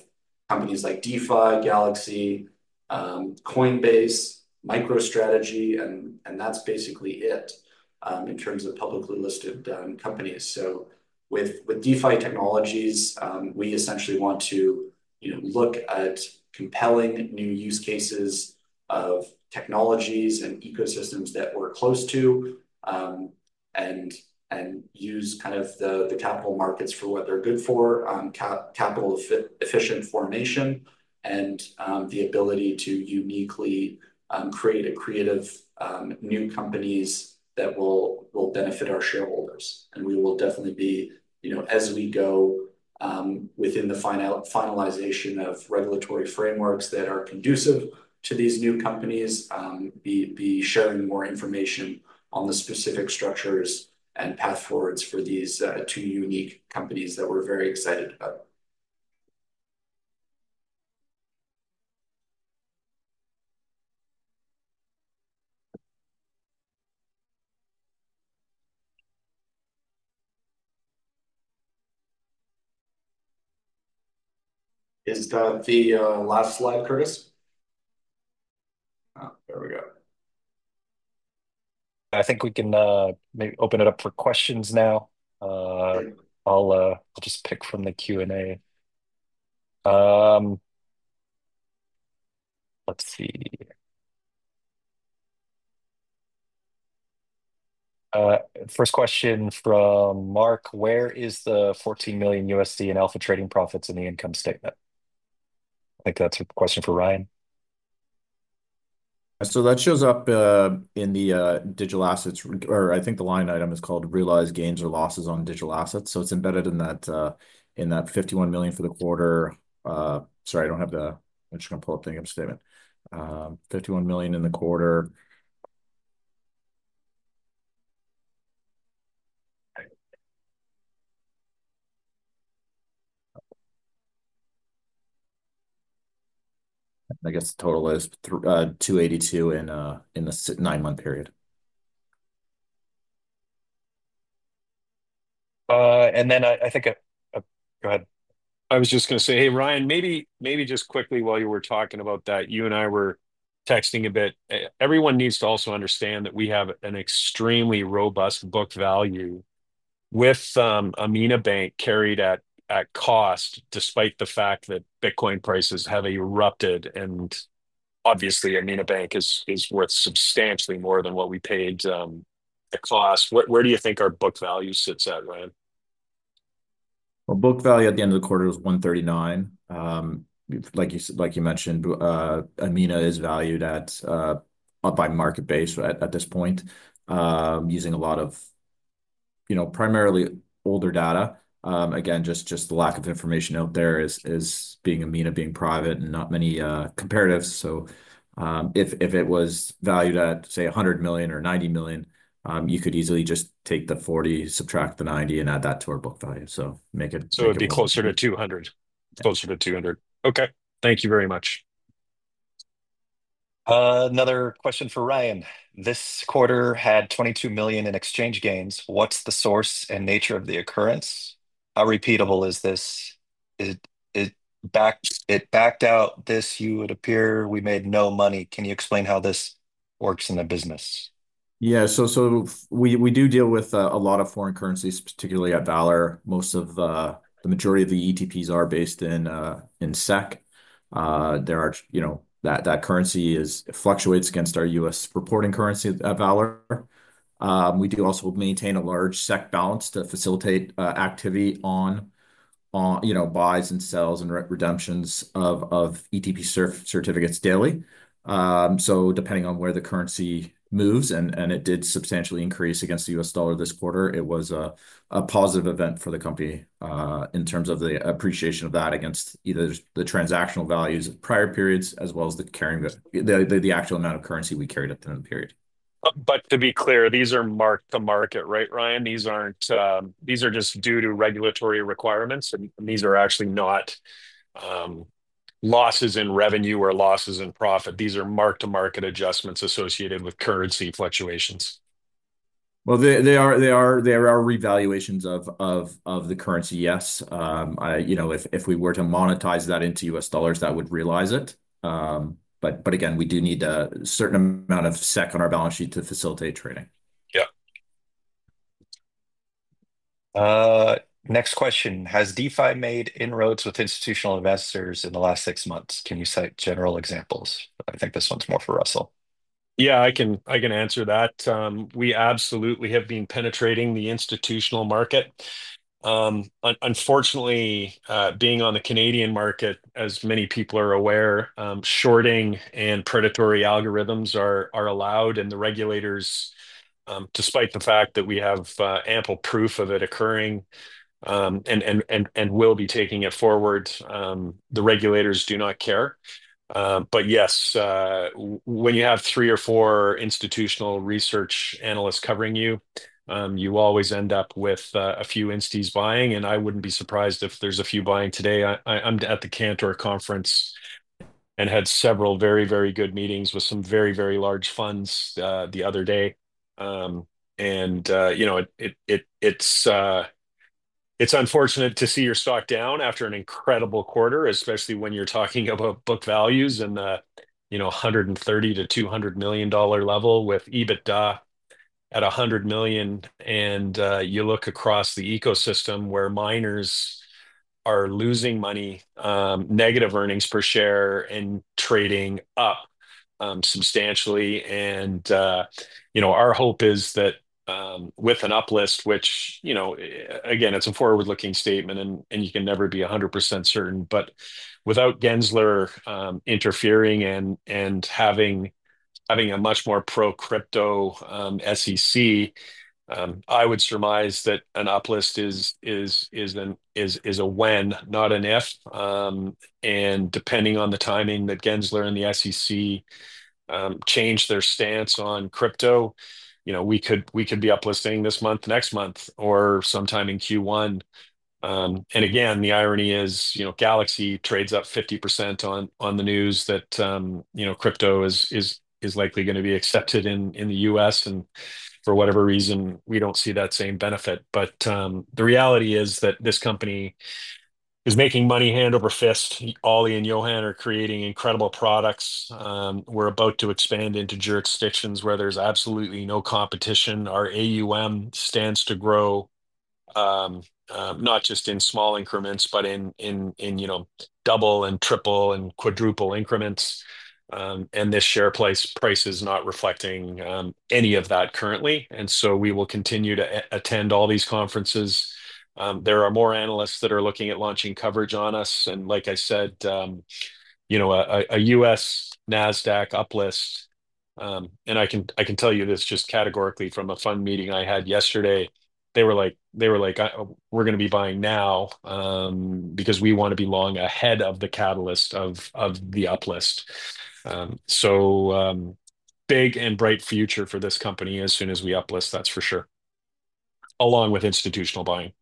companies like DeFi, Galaxy, Coinbase, MicroStrategy, and that's basically it in terms of publicly listed companies. So with DeFi Technologies, we essentially want to look at compelling new use cases of technologies and ecosystems that we're close to and use kind of the capital markets for what they're good for, capital efficient formation, and the ability to uniquely create creative new companies that will benefit our shareholders. And we will definitely be, as we go within the finalization of regulatory frameworks that are conducive to these new companies, be sharing more information on the specific structures and path forwards for these two unique companies that we're very excited about. Is that the last slide, Curtis? There we go. I think we can maybe open it up for questions now. I'll just pick from the Q&A. Let's see. First question from Mark. Where is the $14 million in alpha trading profits in the income statement? I think that's a question for Ryan. That shows up in the digital assets, or I think the line item is called realized gains or losses on digital assets. It's embedded in that $51 million for the quarter. Sorry, I don't have it. I'm just going to pull up the income statement. $51 million in the quarter. I guess the total is $282 million in the nine-month period. And then I think. Go ahead. I was just going to say, hey, Ryan, maybe just quickly while you were talking about that, you and I were texting a bit. Everyone needs to also understand that we have an extremely robust book value with Amina Bank carried at cost, despite the fact that Bitcoin prices have erupted. And obviously, Amina Bank is worth substantially more than what we paid at cost. Where do you think our book value sits at, Ryan? Book value at the end of the quarter was 139 million. Like you mentioned, Amina is valued at a market-based at this point, using a lot of primarily older data. Again, just the lack of information out there is Amina being private and not many comparables. So if it was valued at, say, 100 million or 90 million, you could easily just take the 40 million, subtract the 90 million, and add that to our book value. So make it so it'd be closer to 200 million. Closer to 200 million. Okay. Thank you very much. Another question for Ryan. This quarter had 22 million in exchange gains. What's the source and nature of the occurrence? How repeatable is this? It backed out this, you would appear, we made no money. Can you explain how this works in the business? Yeah. So we do deal with a lot of foreign currencies, particularly at Valour. Most of the majority of the ETPs are based in SEK. That currency fluctuates against our U.S. reporting currency at Valour. We do also maintain a large SEK balance to facilitate activity on buys and sales and redemptions of ETP certificates daily. So depending on where the currency moves, and it did substantially increase against the U.S. dollar this quarter, it was a positive event for the company in terms of the appreciation of that against either the transactional values of prior periods as well as the actual amount of currency we carried at the end of the period. But to be clear, these are marked to market, right, Ryan? These are just due to regulatory requirements. And these are actually not losses in revenue or losses in profit. These are marked to market adjustments associated with currency fluctuations. There are revaluations of the currency, yes. If we were to monetize that into U.S. dollars, that would realize it. But again, we do need a certain amount of SEK on our balance sheet to facilitate trading. Yeah. Next question. Has DeFi made inroads with institutional investors in the last six months? Can you cite general examples? I think this one's more for Russell. Yeah, I can answer that. We absolutely have been penetrating the institutional market. Unfortunately, being on the Canadian market, as many people are aware, shorting and predatory algorithms are allowed, and the regulators, despite the fact that we have ample proof of it occurring and will be taking it forward, do not care. Yes, when you have three or four institutional research analysts covering you, you always end up with a few entities buying. And I wouldn't be surprised if there's a few buying today. I'm at the Cantor Conference and had several very, very good meetings with some very, very large funds the other day. And it's unfortunate to see your stock down after an incredible quarter, especially when you're talking about book values in the $130-$200 million level with EBITDA at $100 million. And you look across the ecosystem where miners are losing money, negative earnings per share, and trading up substantially. And our hope is that with an uplist, which, again, it's a forward-looking statement, and you can never be 100% certain, but without Gensler interfering and having a much more pro-crypto SEC, I would surmise that an uplist is a when, not an if. And depending on the timing that Gensler and the SEC change their stance on crypto, we could be uplisting this month, next month, or sometime in Q1. And again, the irony is Galaxy trades up 50% on the news that crypto is likely going to be accepted in the U.S. And for whatever reason, we don't see that same benefit. But the reality is that this company is making money hand over fist. Ollie and Johan are creating incredible products. We're about to expand into jurisdictions where there's absolutely no competition. Our AUM stands to grow not just in small increments, but in double and triple and quadruple increments. And this share price is not reflecting any of that currently. And so we will continue to attend all these conferences. There are more analysts that are looking at launching coverage on us. And like I said, a U.S. NASDAQ uplist. And I can tell you this just categorically from a fund meeting I had yesterday. They were like, "We're going to be buying now because we want to be long ahead of the catalyst of the uplist." So big and bright future for this company as soon as we uplist, that's for sure, along with institutional buying.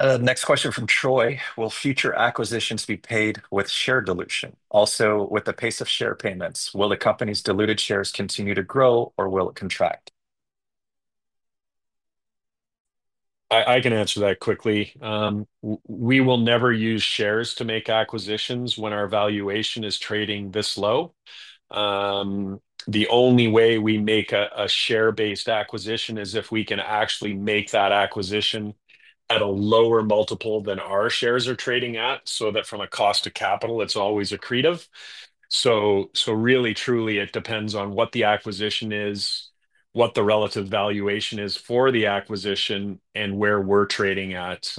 Next question from Troy. Will future acquisitions be paid with share dilution? Also, with the pace of share payments, will the company's diluted shares continue to grow, or will it contract? I can answer that quickly. We will never use shares to make acquisitions when our valuation is trading this low. The only way we make a share-based acquisition is if we can actually make that acquisition at a lower multiple than our shares are trading at so that from a cost of capital, it's always accretive. So really, truly, it depends on what the acquisition is, what the relative valuation is for the acquisition, and where we're trading at,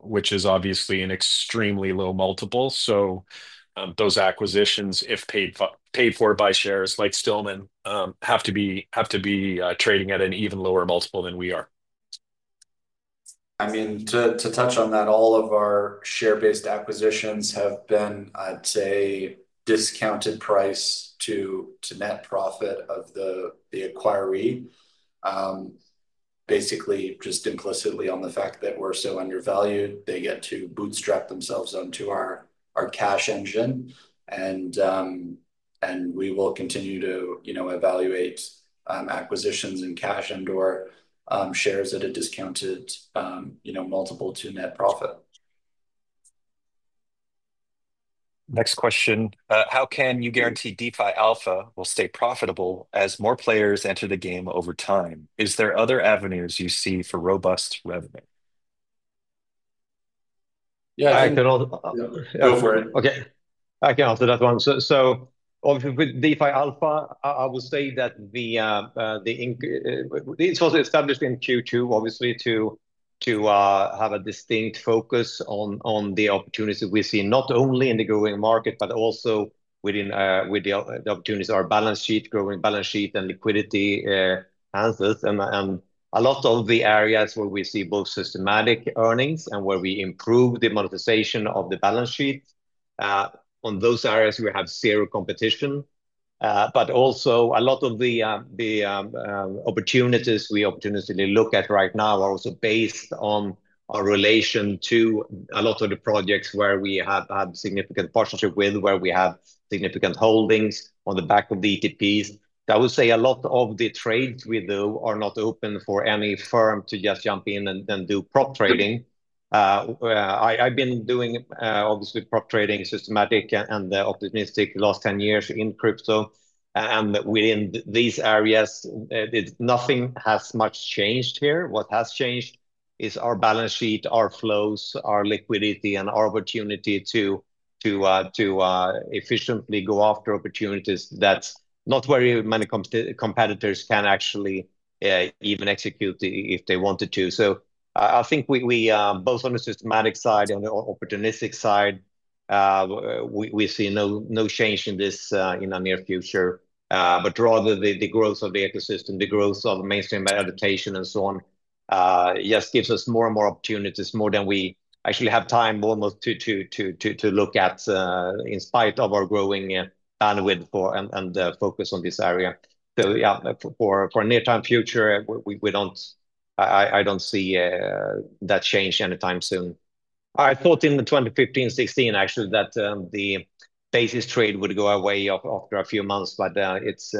which is obviously an extremely low multiple. So those acquisitions, if paid for by shares like Stillman, have to be trading at an even lower multiple than we are. I mean, to touch on that, all of our share-based acquisitions have been, I'd say, discounted price to net profit of the acquiree, basically just implicitly on the fact that we're so undervalued, they get to bootstrap themselves onto our cash engine. And we will continue to evaluate acquisitions and cash and/or shares at a discounted multiple to net profit. Next question. How can you guarantee DeFi Alpha will stay profitable as more players enter the game over time? Is there other avenues you see for robust revenue? Yeah, I can go for it. Okay. I can answer that one. So with DeFi Alpha, I will say that it was established in Q2, obviously, to have a distinct focus on the opportunities that we see not only in the growing market, but also with the opportunities our balance sheet, growing balance sheet, and liquidity services. And a lot of the areas where we see both systematic earnings and where we improve the monetization of the balance sheet, on those areas, we have zero competition. But also, a lot of the opportunities we opportunistically look at right now are also based on our relation to a lot of the projects where we have had significant partnership with, where we have significant holdings on the back of the ETPs. I would say a lot of the trades we do are not open for any firm to just jump in and do prop trading. I've been doing, obviously, prop trading, systematic and opportunistic the last 10 years in crypto. And within these areas, nothing has much changed here. What has changed is our balance sheet, our flows, our liquidity, and our opportunity to efficiently go after opportunities that not very many competitors can actually even execute if they wanted to. So I think both on the systematic side and the opportunistic side, we see no change in this in the near future. But rather, the growth of the ecosystem, the growth of mainstream adoption, and so on just gives us more and more opportunities, more than we actually have time almost to look at in spite of our growing bandwidth and focus on this area. So yeah, for a near-term future, I don't see that change anytime soon. I thought in 2015, 2016, actually, that the basis trade would go away after a few months, but it's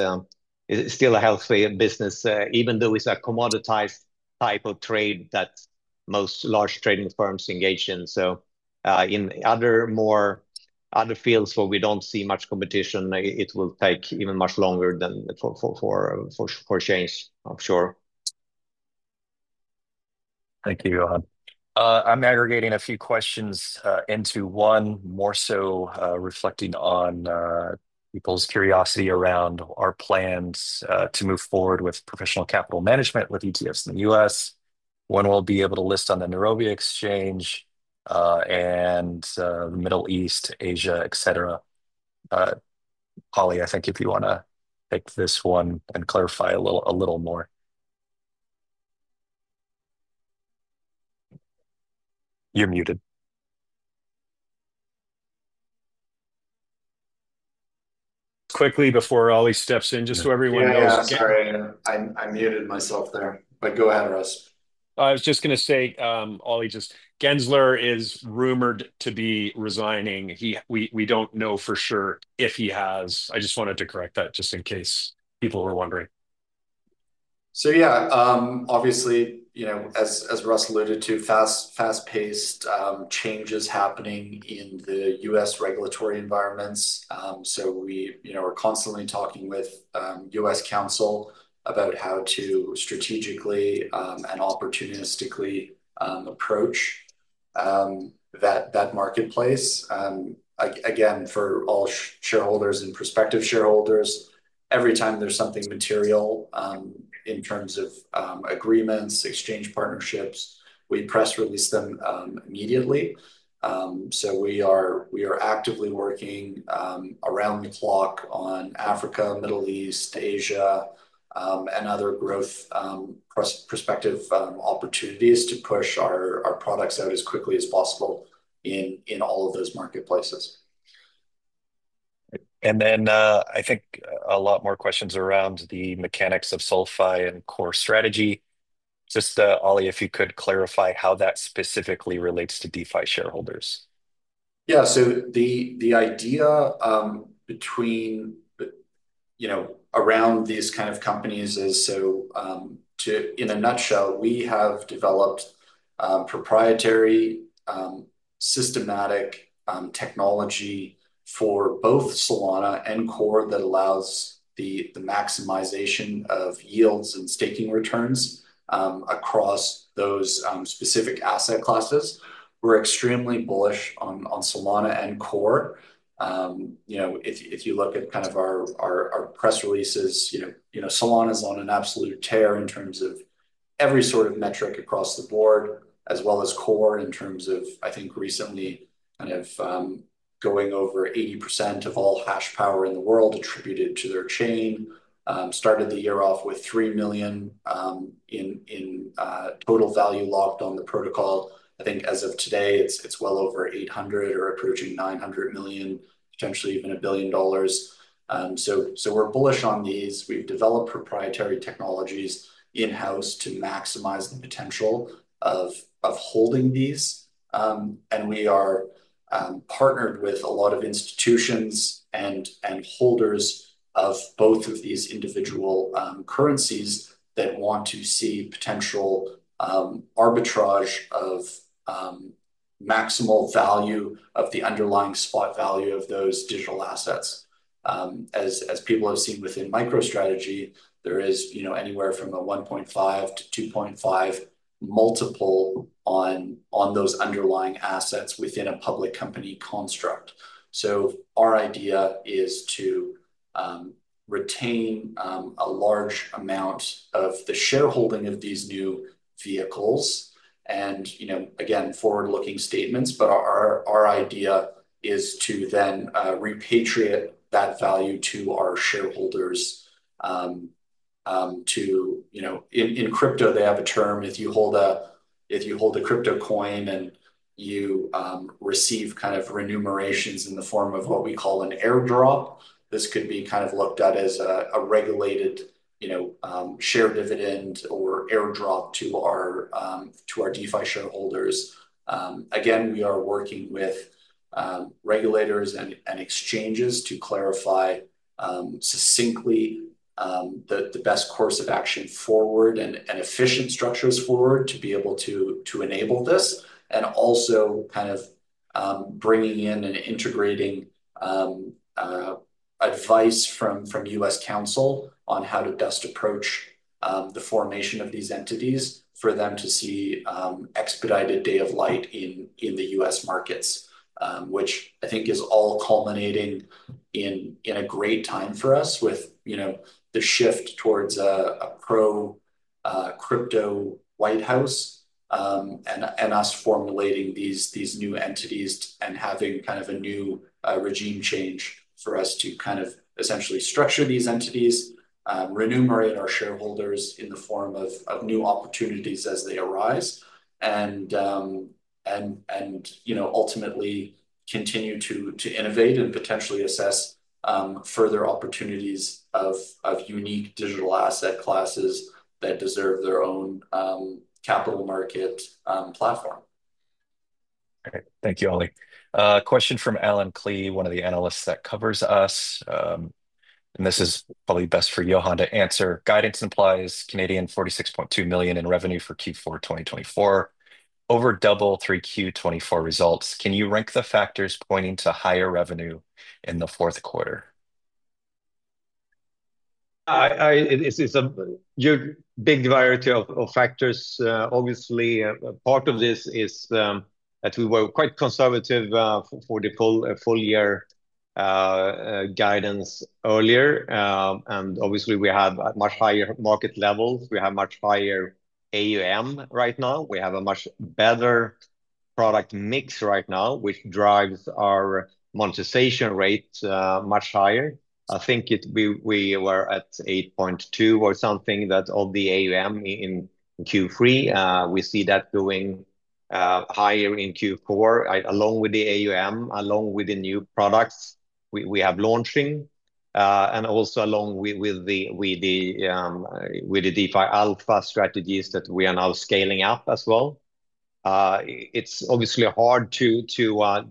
still a healthy business, even though it's a commoditized type of trade that most large trading firms engage in. So in other fields where we don't see much competition, it will take even much longer for change, I'm sure. Thank you, Johan. I'm aggregating a few questions into one more so reflecting on people's curiosity around our plans to move forward with Professional Capital Management with ETFs in the U.S. One will be able to list on the Nairobi Exchange and the Middle East, Asia, etc. Ollie, I think if you want to take this one and clarify a little more. You're muted. Quickly before Ollie steps in, just so everyone knows. Yeah, sorry. I muted myself there. But go ahead, Russ. I was just going to say, Ollie, just Gensler is rumored to be resigning. We don't know for sure if he has. I just wanted to correct that just in case people were wondering. So yeah, obviously, as Russ alluded to, fast-paced changes happening in the U.S. regulatory environments. So we're constantly talking with U.S. counsel about how to strategically and opportunistically approach that marketplace. Again, for all shareholders and prospective shareholders, every time there's something material in terms of agreements, exchange partnerships, we press release them immediately. So we are actively working around the clock on Africa, Middle East, Asia, and other growth prospective opportunities to push our products out as quickly as possible in all of those marketplaces. And then I think a lot more questions around the mechanics of SolFi and CoreFi strategy. Just, Ollie, if you could clarify how that specifically relates to DeFi shareholders. Yeah. The idea around these kind of companies is, in a nutshell, we have developed proprietary systematic technology for both Solana and Core that allows the maximization of yields and staking returns across those specific asset classes. We're extremely bullish on Solana and Core. If you look at kind of our press releases, Solana's on an absolute tear in terms of every sort of metric across the board, as well as Core in terms of, I think, recently kind of going over 80% of all hash power in the world attributed to their chain. Started the year off with $3 million in total value locked on the protocol. I think as of today, it's well over $800 million or approaching $900 million, potentially even $1 billion. We're bullish on these. We've developed proprietary technologies in-house to maximize the potential of holding these. We are partnered with a lot of institutions and holders of both of these individual currencies that want to see potential arbitrage of maximal value of the underlying spot value of those digital assets. As people have seen within MicroStrategy, there is anywhere from a 1.5-2.5 multiple on those underlying assets within a public company construct. Our idea is to retain a large amount of the shareholding of these new vehicles. Again, forward-looking statements, but our idea is to then repatriate that value to our shareholders. In crypto, they have a term. If you hold a crypto coin and you receive kind of remunerations in the form of what we call an airdrop, this could be kind of looked at as a regulated share dividend or airdrop to our DeFi shareholders. Again, we are working with regulators and exchanges to clarify succinctly the best course of action forward and efficient structures forward to be able to enable this. And also kind of bringing in and integrating advice from U.S. counsel on how to best approach the formation of these entities for them to see expedited daylight in the U.S. markets, which I think is all culminating in a great time for us with the shift towards a pro-crypto White House and us formulating these new entities and having kind of a new regime change for us to kind of essentially structure these entities, remunerate our shareholders in the form of new opportunities as they arise, and ultimately continue to innovate and potentially assess further opportunities of unique digital asset classes that deserve their own capital market platform. All right. Thank you, Ollie. Question from Allen Klee, one of the analysts that covers us, and this is probably best for Johan to answer. Guidance implies 46.2 million in revenue for Q4 2024. Over double 3Q24 results. Can you rank the factors pointing to higher revenue in the fourth quarter? It's a big variety of factors. Obviously, part of this is that we were quite conservative for the full-year guidance earlier. And obviously, we have much higher market levels. We have much higher AUM right now. We have a much better product mix right now, which drives our monetization rate much higher. I think we were at 8.2% or something like that of the AUM in Q3. We see that going higher in Q4, along with the AUM, along with the new products we have launching, and also along with the DeFi Alpha strategies that we are now scaling up as well. It's obviously hard to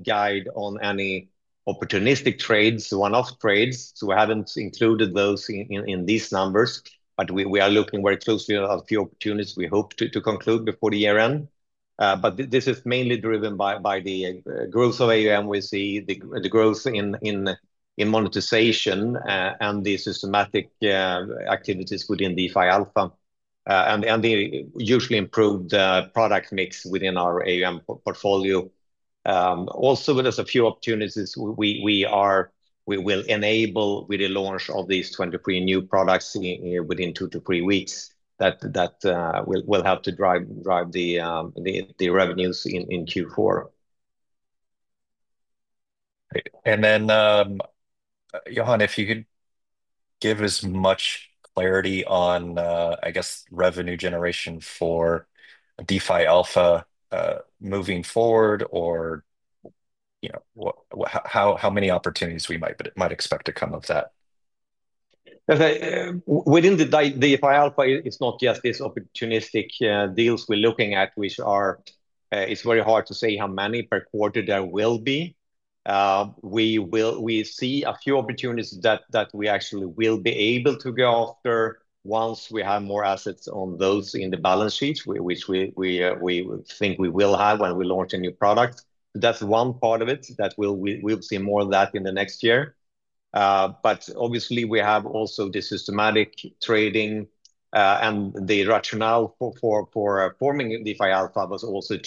guide on any opportunistic trades, one-off trades, so we haven't included those in these numbers, but we are looking very closely at a few opportunities we hope to conclude before the year end, but this is mainly driven by the growth of AUM we see, the growth in monetization, and the systematic activities within DeFi Alpha, and the usually improved product mix within our AUM portfolio. Also, there's a few opportunities we will enable with the launch of these 23 new products within two to three weeks that will help to drive the revenues in Q4, and then, Johan, if you could give as much clarity on, I guess, revenue generation for DeFi Alpha moving forward, or how many opportunities we might expect to come of that. Within the DeFi Alpha, it's not just these opportunistic deals we're looking at, which are it's very hard to say how many per quarter there will be. We see a few opportunities that we actually will be able to go after once we have more assets on those in the balance sheets, which we think we will have when we launch a new product. That's one part of it that we'll see more of that in the next year. But obviously, we have also the systematic trading, and the rationale for forming DeFi Alpha was also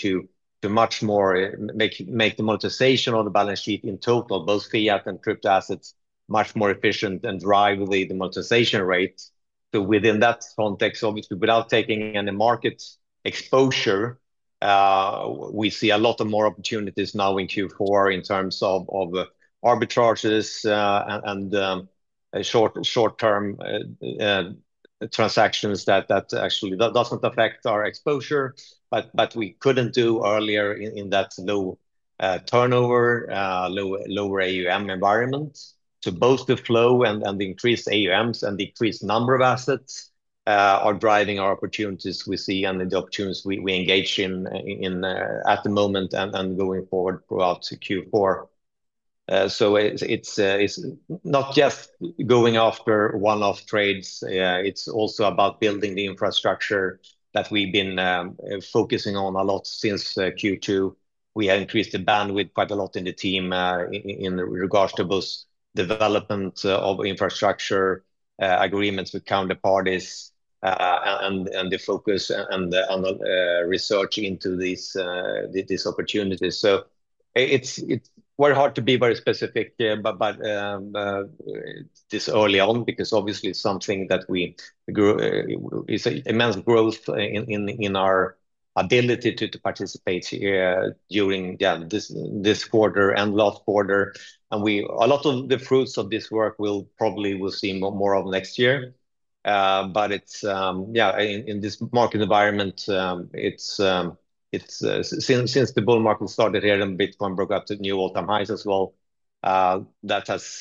to much more make the monetization on the balance sheet in total, both fiat and crypto assets, much more efficient and drive the monetization rate. So, within that context, obviously, without taking any market exposure, we see a lot more opportunities now in Q4 in terms of arbitrages and short-term transactions that actually doesn't affect our exposure, but we couldn't do earlier in that low turnover, lower AUM environment. So both the flow and the increased AUMs and the increased number of assets are driving our opportunities we see and the opportunities we engage in at the moment and going forward throughout Q4. So it's not just going after one-off trades. It's also about building the infrastructure that we've been focusing on a lot since Q2. We have increased the bandwidth quite a lot in the team in regards to both development of infrastructure agreements with counterparties and the focus and research into these opportunities. It's very hard to be very specific this early on because obviously it's something that we it's immense growth in our ability to participate during this quarter and last quarter. A lot of the fruits of this work we'll probably see more of next year. Yeah, in this market environment, since the bull market started here and Bitcoin broke up to new all-time highs as well, that has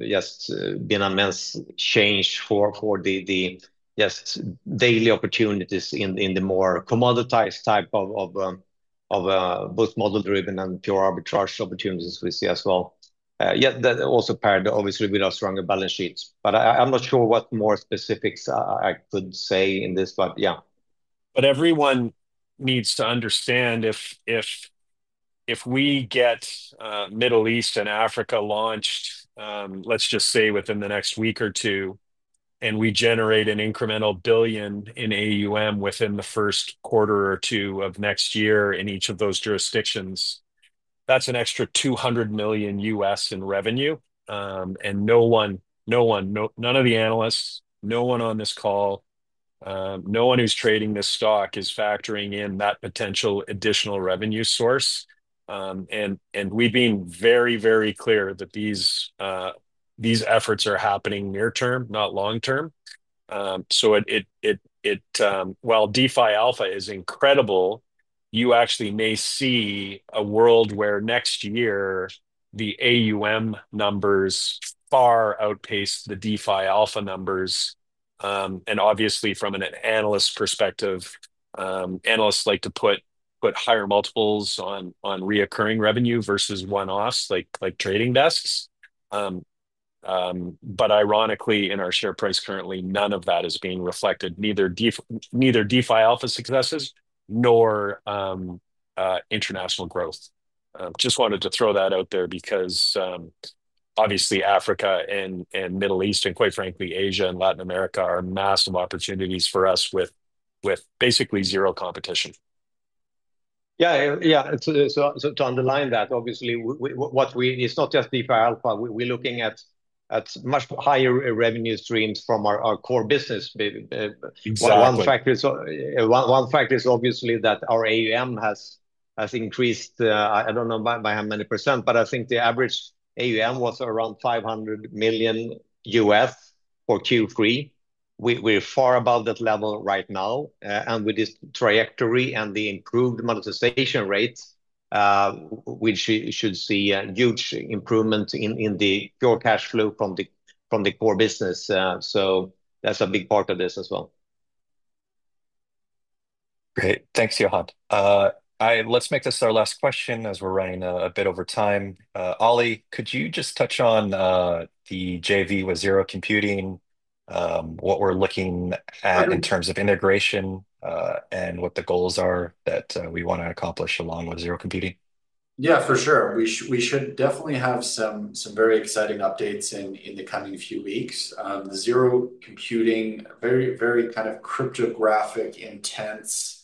just been an immense change for the just daily opportunities in the more commoditized type of both model-driven and pure arbitrage opportunities we see as well. Yeah, that also paired, obviously, with our stronger balance sheets. I'm not sure what more specifics I could say in this, but yeah. Everyone needs to understand if we get Middle East and Africa launched, let's just say within the next week or two, and we generate an incremental $1 billion in AUM within the first quarter or two of next year in each of those jurisdictions, that's an extra $200 million in revenue. None of the analysts, no one on this call, no one who's trading this stock is factoring in that potential additional revenue source. We've been very, very clear that these efforts are happening near term, not long term. While DeFi Alpha is incredible, you actually may see a world where next year the AUM numbers far outpace the DeFi Alpha numbers. Obviously, from an analyst perspective, analysts like to put higher multiples on recurring revenue versus one-offs like trading desks. But ironically, in our share price currently, none of that is being reflected, neither DeFi Alpha successes nor international growth. Just wanted to throw that out there because obviously Africa and Middle East and, quite frankly, Asia and Latin America are massive opportunities for us with basically zero competition. Yeah. Yeah. So to underline that, obviously, it's not just DeFi Alpha. We're looking at much higher revenue streams from our core business. One factor is obviously that our AUM has increased, I don't know by how many percent, but I think the average AUM was around $500 million for Q3. We're far above that level right now. And with this trajectory and the improved monetization rate, we should see a huge improvement in the pure cash flow from the core business. So that's a big part of this as well. Great. Thanks, Johan. Let's make this our last question as we're running a bit over time. Ollie, could you just touch on the JV with Zero Computing, what we're looking at in terms of integration, and what the goals are that we want to accomplish along with Zero Computing? Yeah, for sure. We should definitely have some very exciting updates in the coming few weeks. Zero Computing, very kind of cryptographic intense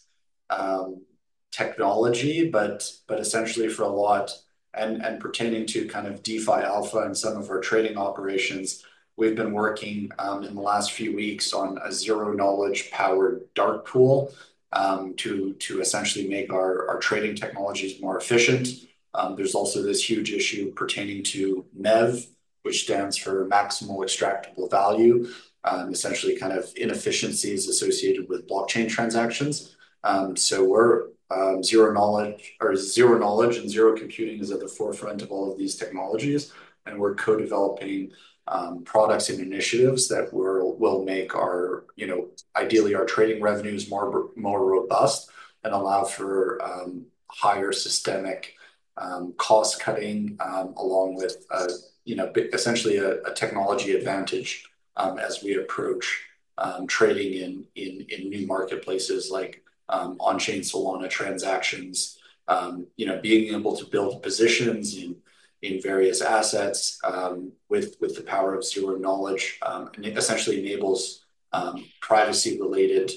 technology, but essentially for a lot. And pertaining to kind of DeFi Alpha and some of our trading operations, we've been working in the last few weeks on a zero-knowledge-powered dark pool to essentially make our trading technologies more efficient. There's also this huge issue pertaining to MEV, which stands for maximal extractable value, essentially kind of inefficiencies associated with blockchain transactions. So zero-knowledge and Zero Computing is at the forefront of all of these technologies. And we're co-developing products and initiatives that will make ideally our trading revenues more robust and allow for higher systemic cost-cutting along with essentially a technology advantage as we approach trading in new marketplaces like on-chain Solana transactions, being able to build positions in various assets with the power of zero-knowledge essentially enables privacy-related,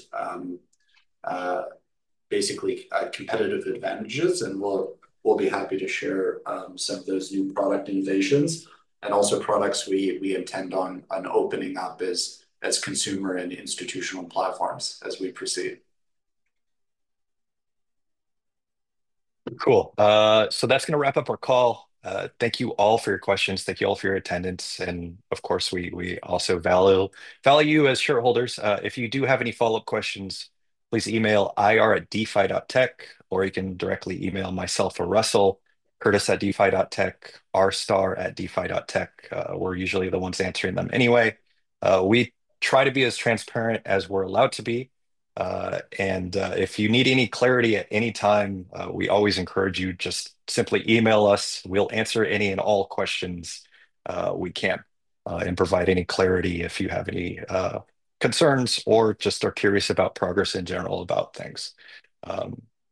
basically competitive advantages. And we'll be happy to share some of those new product innovations and also products we intend on opening up as consumer and institutional platforms as we proceed. Cool. So that's going to wrap up our call. Thank you all for your questions. Thank you all for your attendance. And of course, we also value you as shareholders. If you do have any follow-up questions, please email ir@defi.tech, or you can directly email myself or Russell, curtis@defi.tech, rstar@defi.tech. We're usually the ones answering them anyway. We try to be as transparent as we're allowed to be, and if you need any clarity at any time, we always encourage you to just simply email us. We'll answer any and all questions we can and provide any clarity if you have any concerns or just are curious about progress in general about things,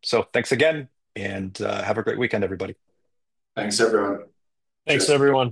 so thanks again, and have a great weekend, everybody. Thanks, everyone. Thanks, everyone.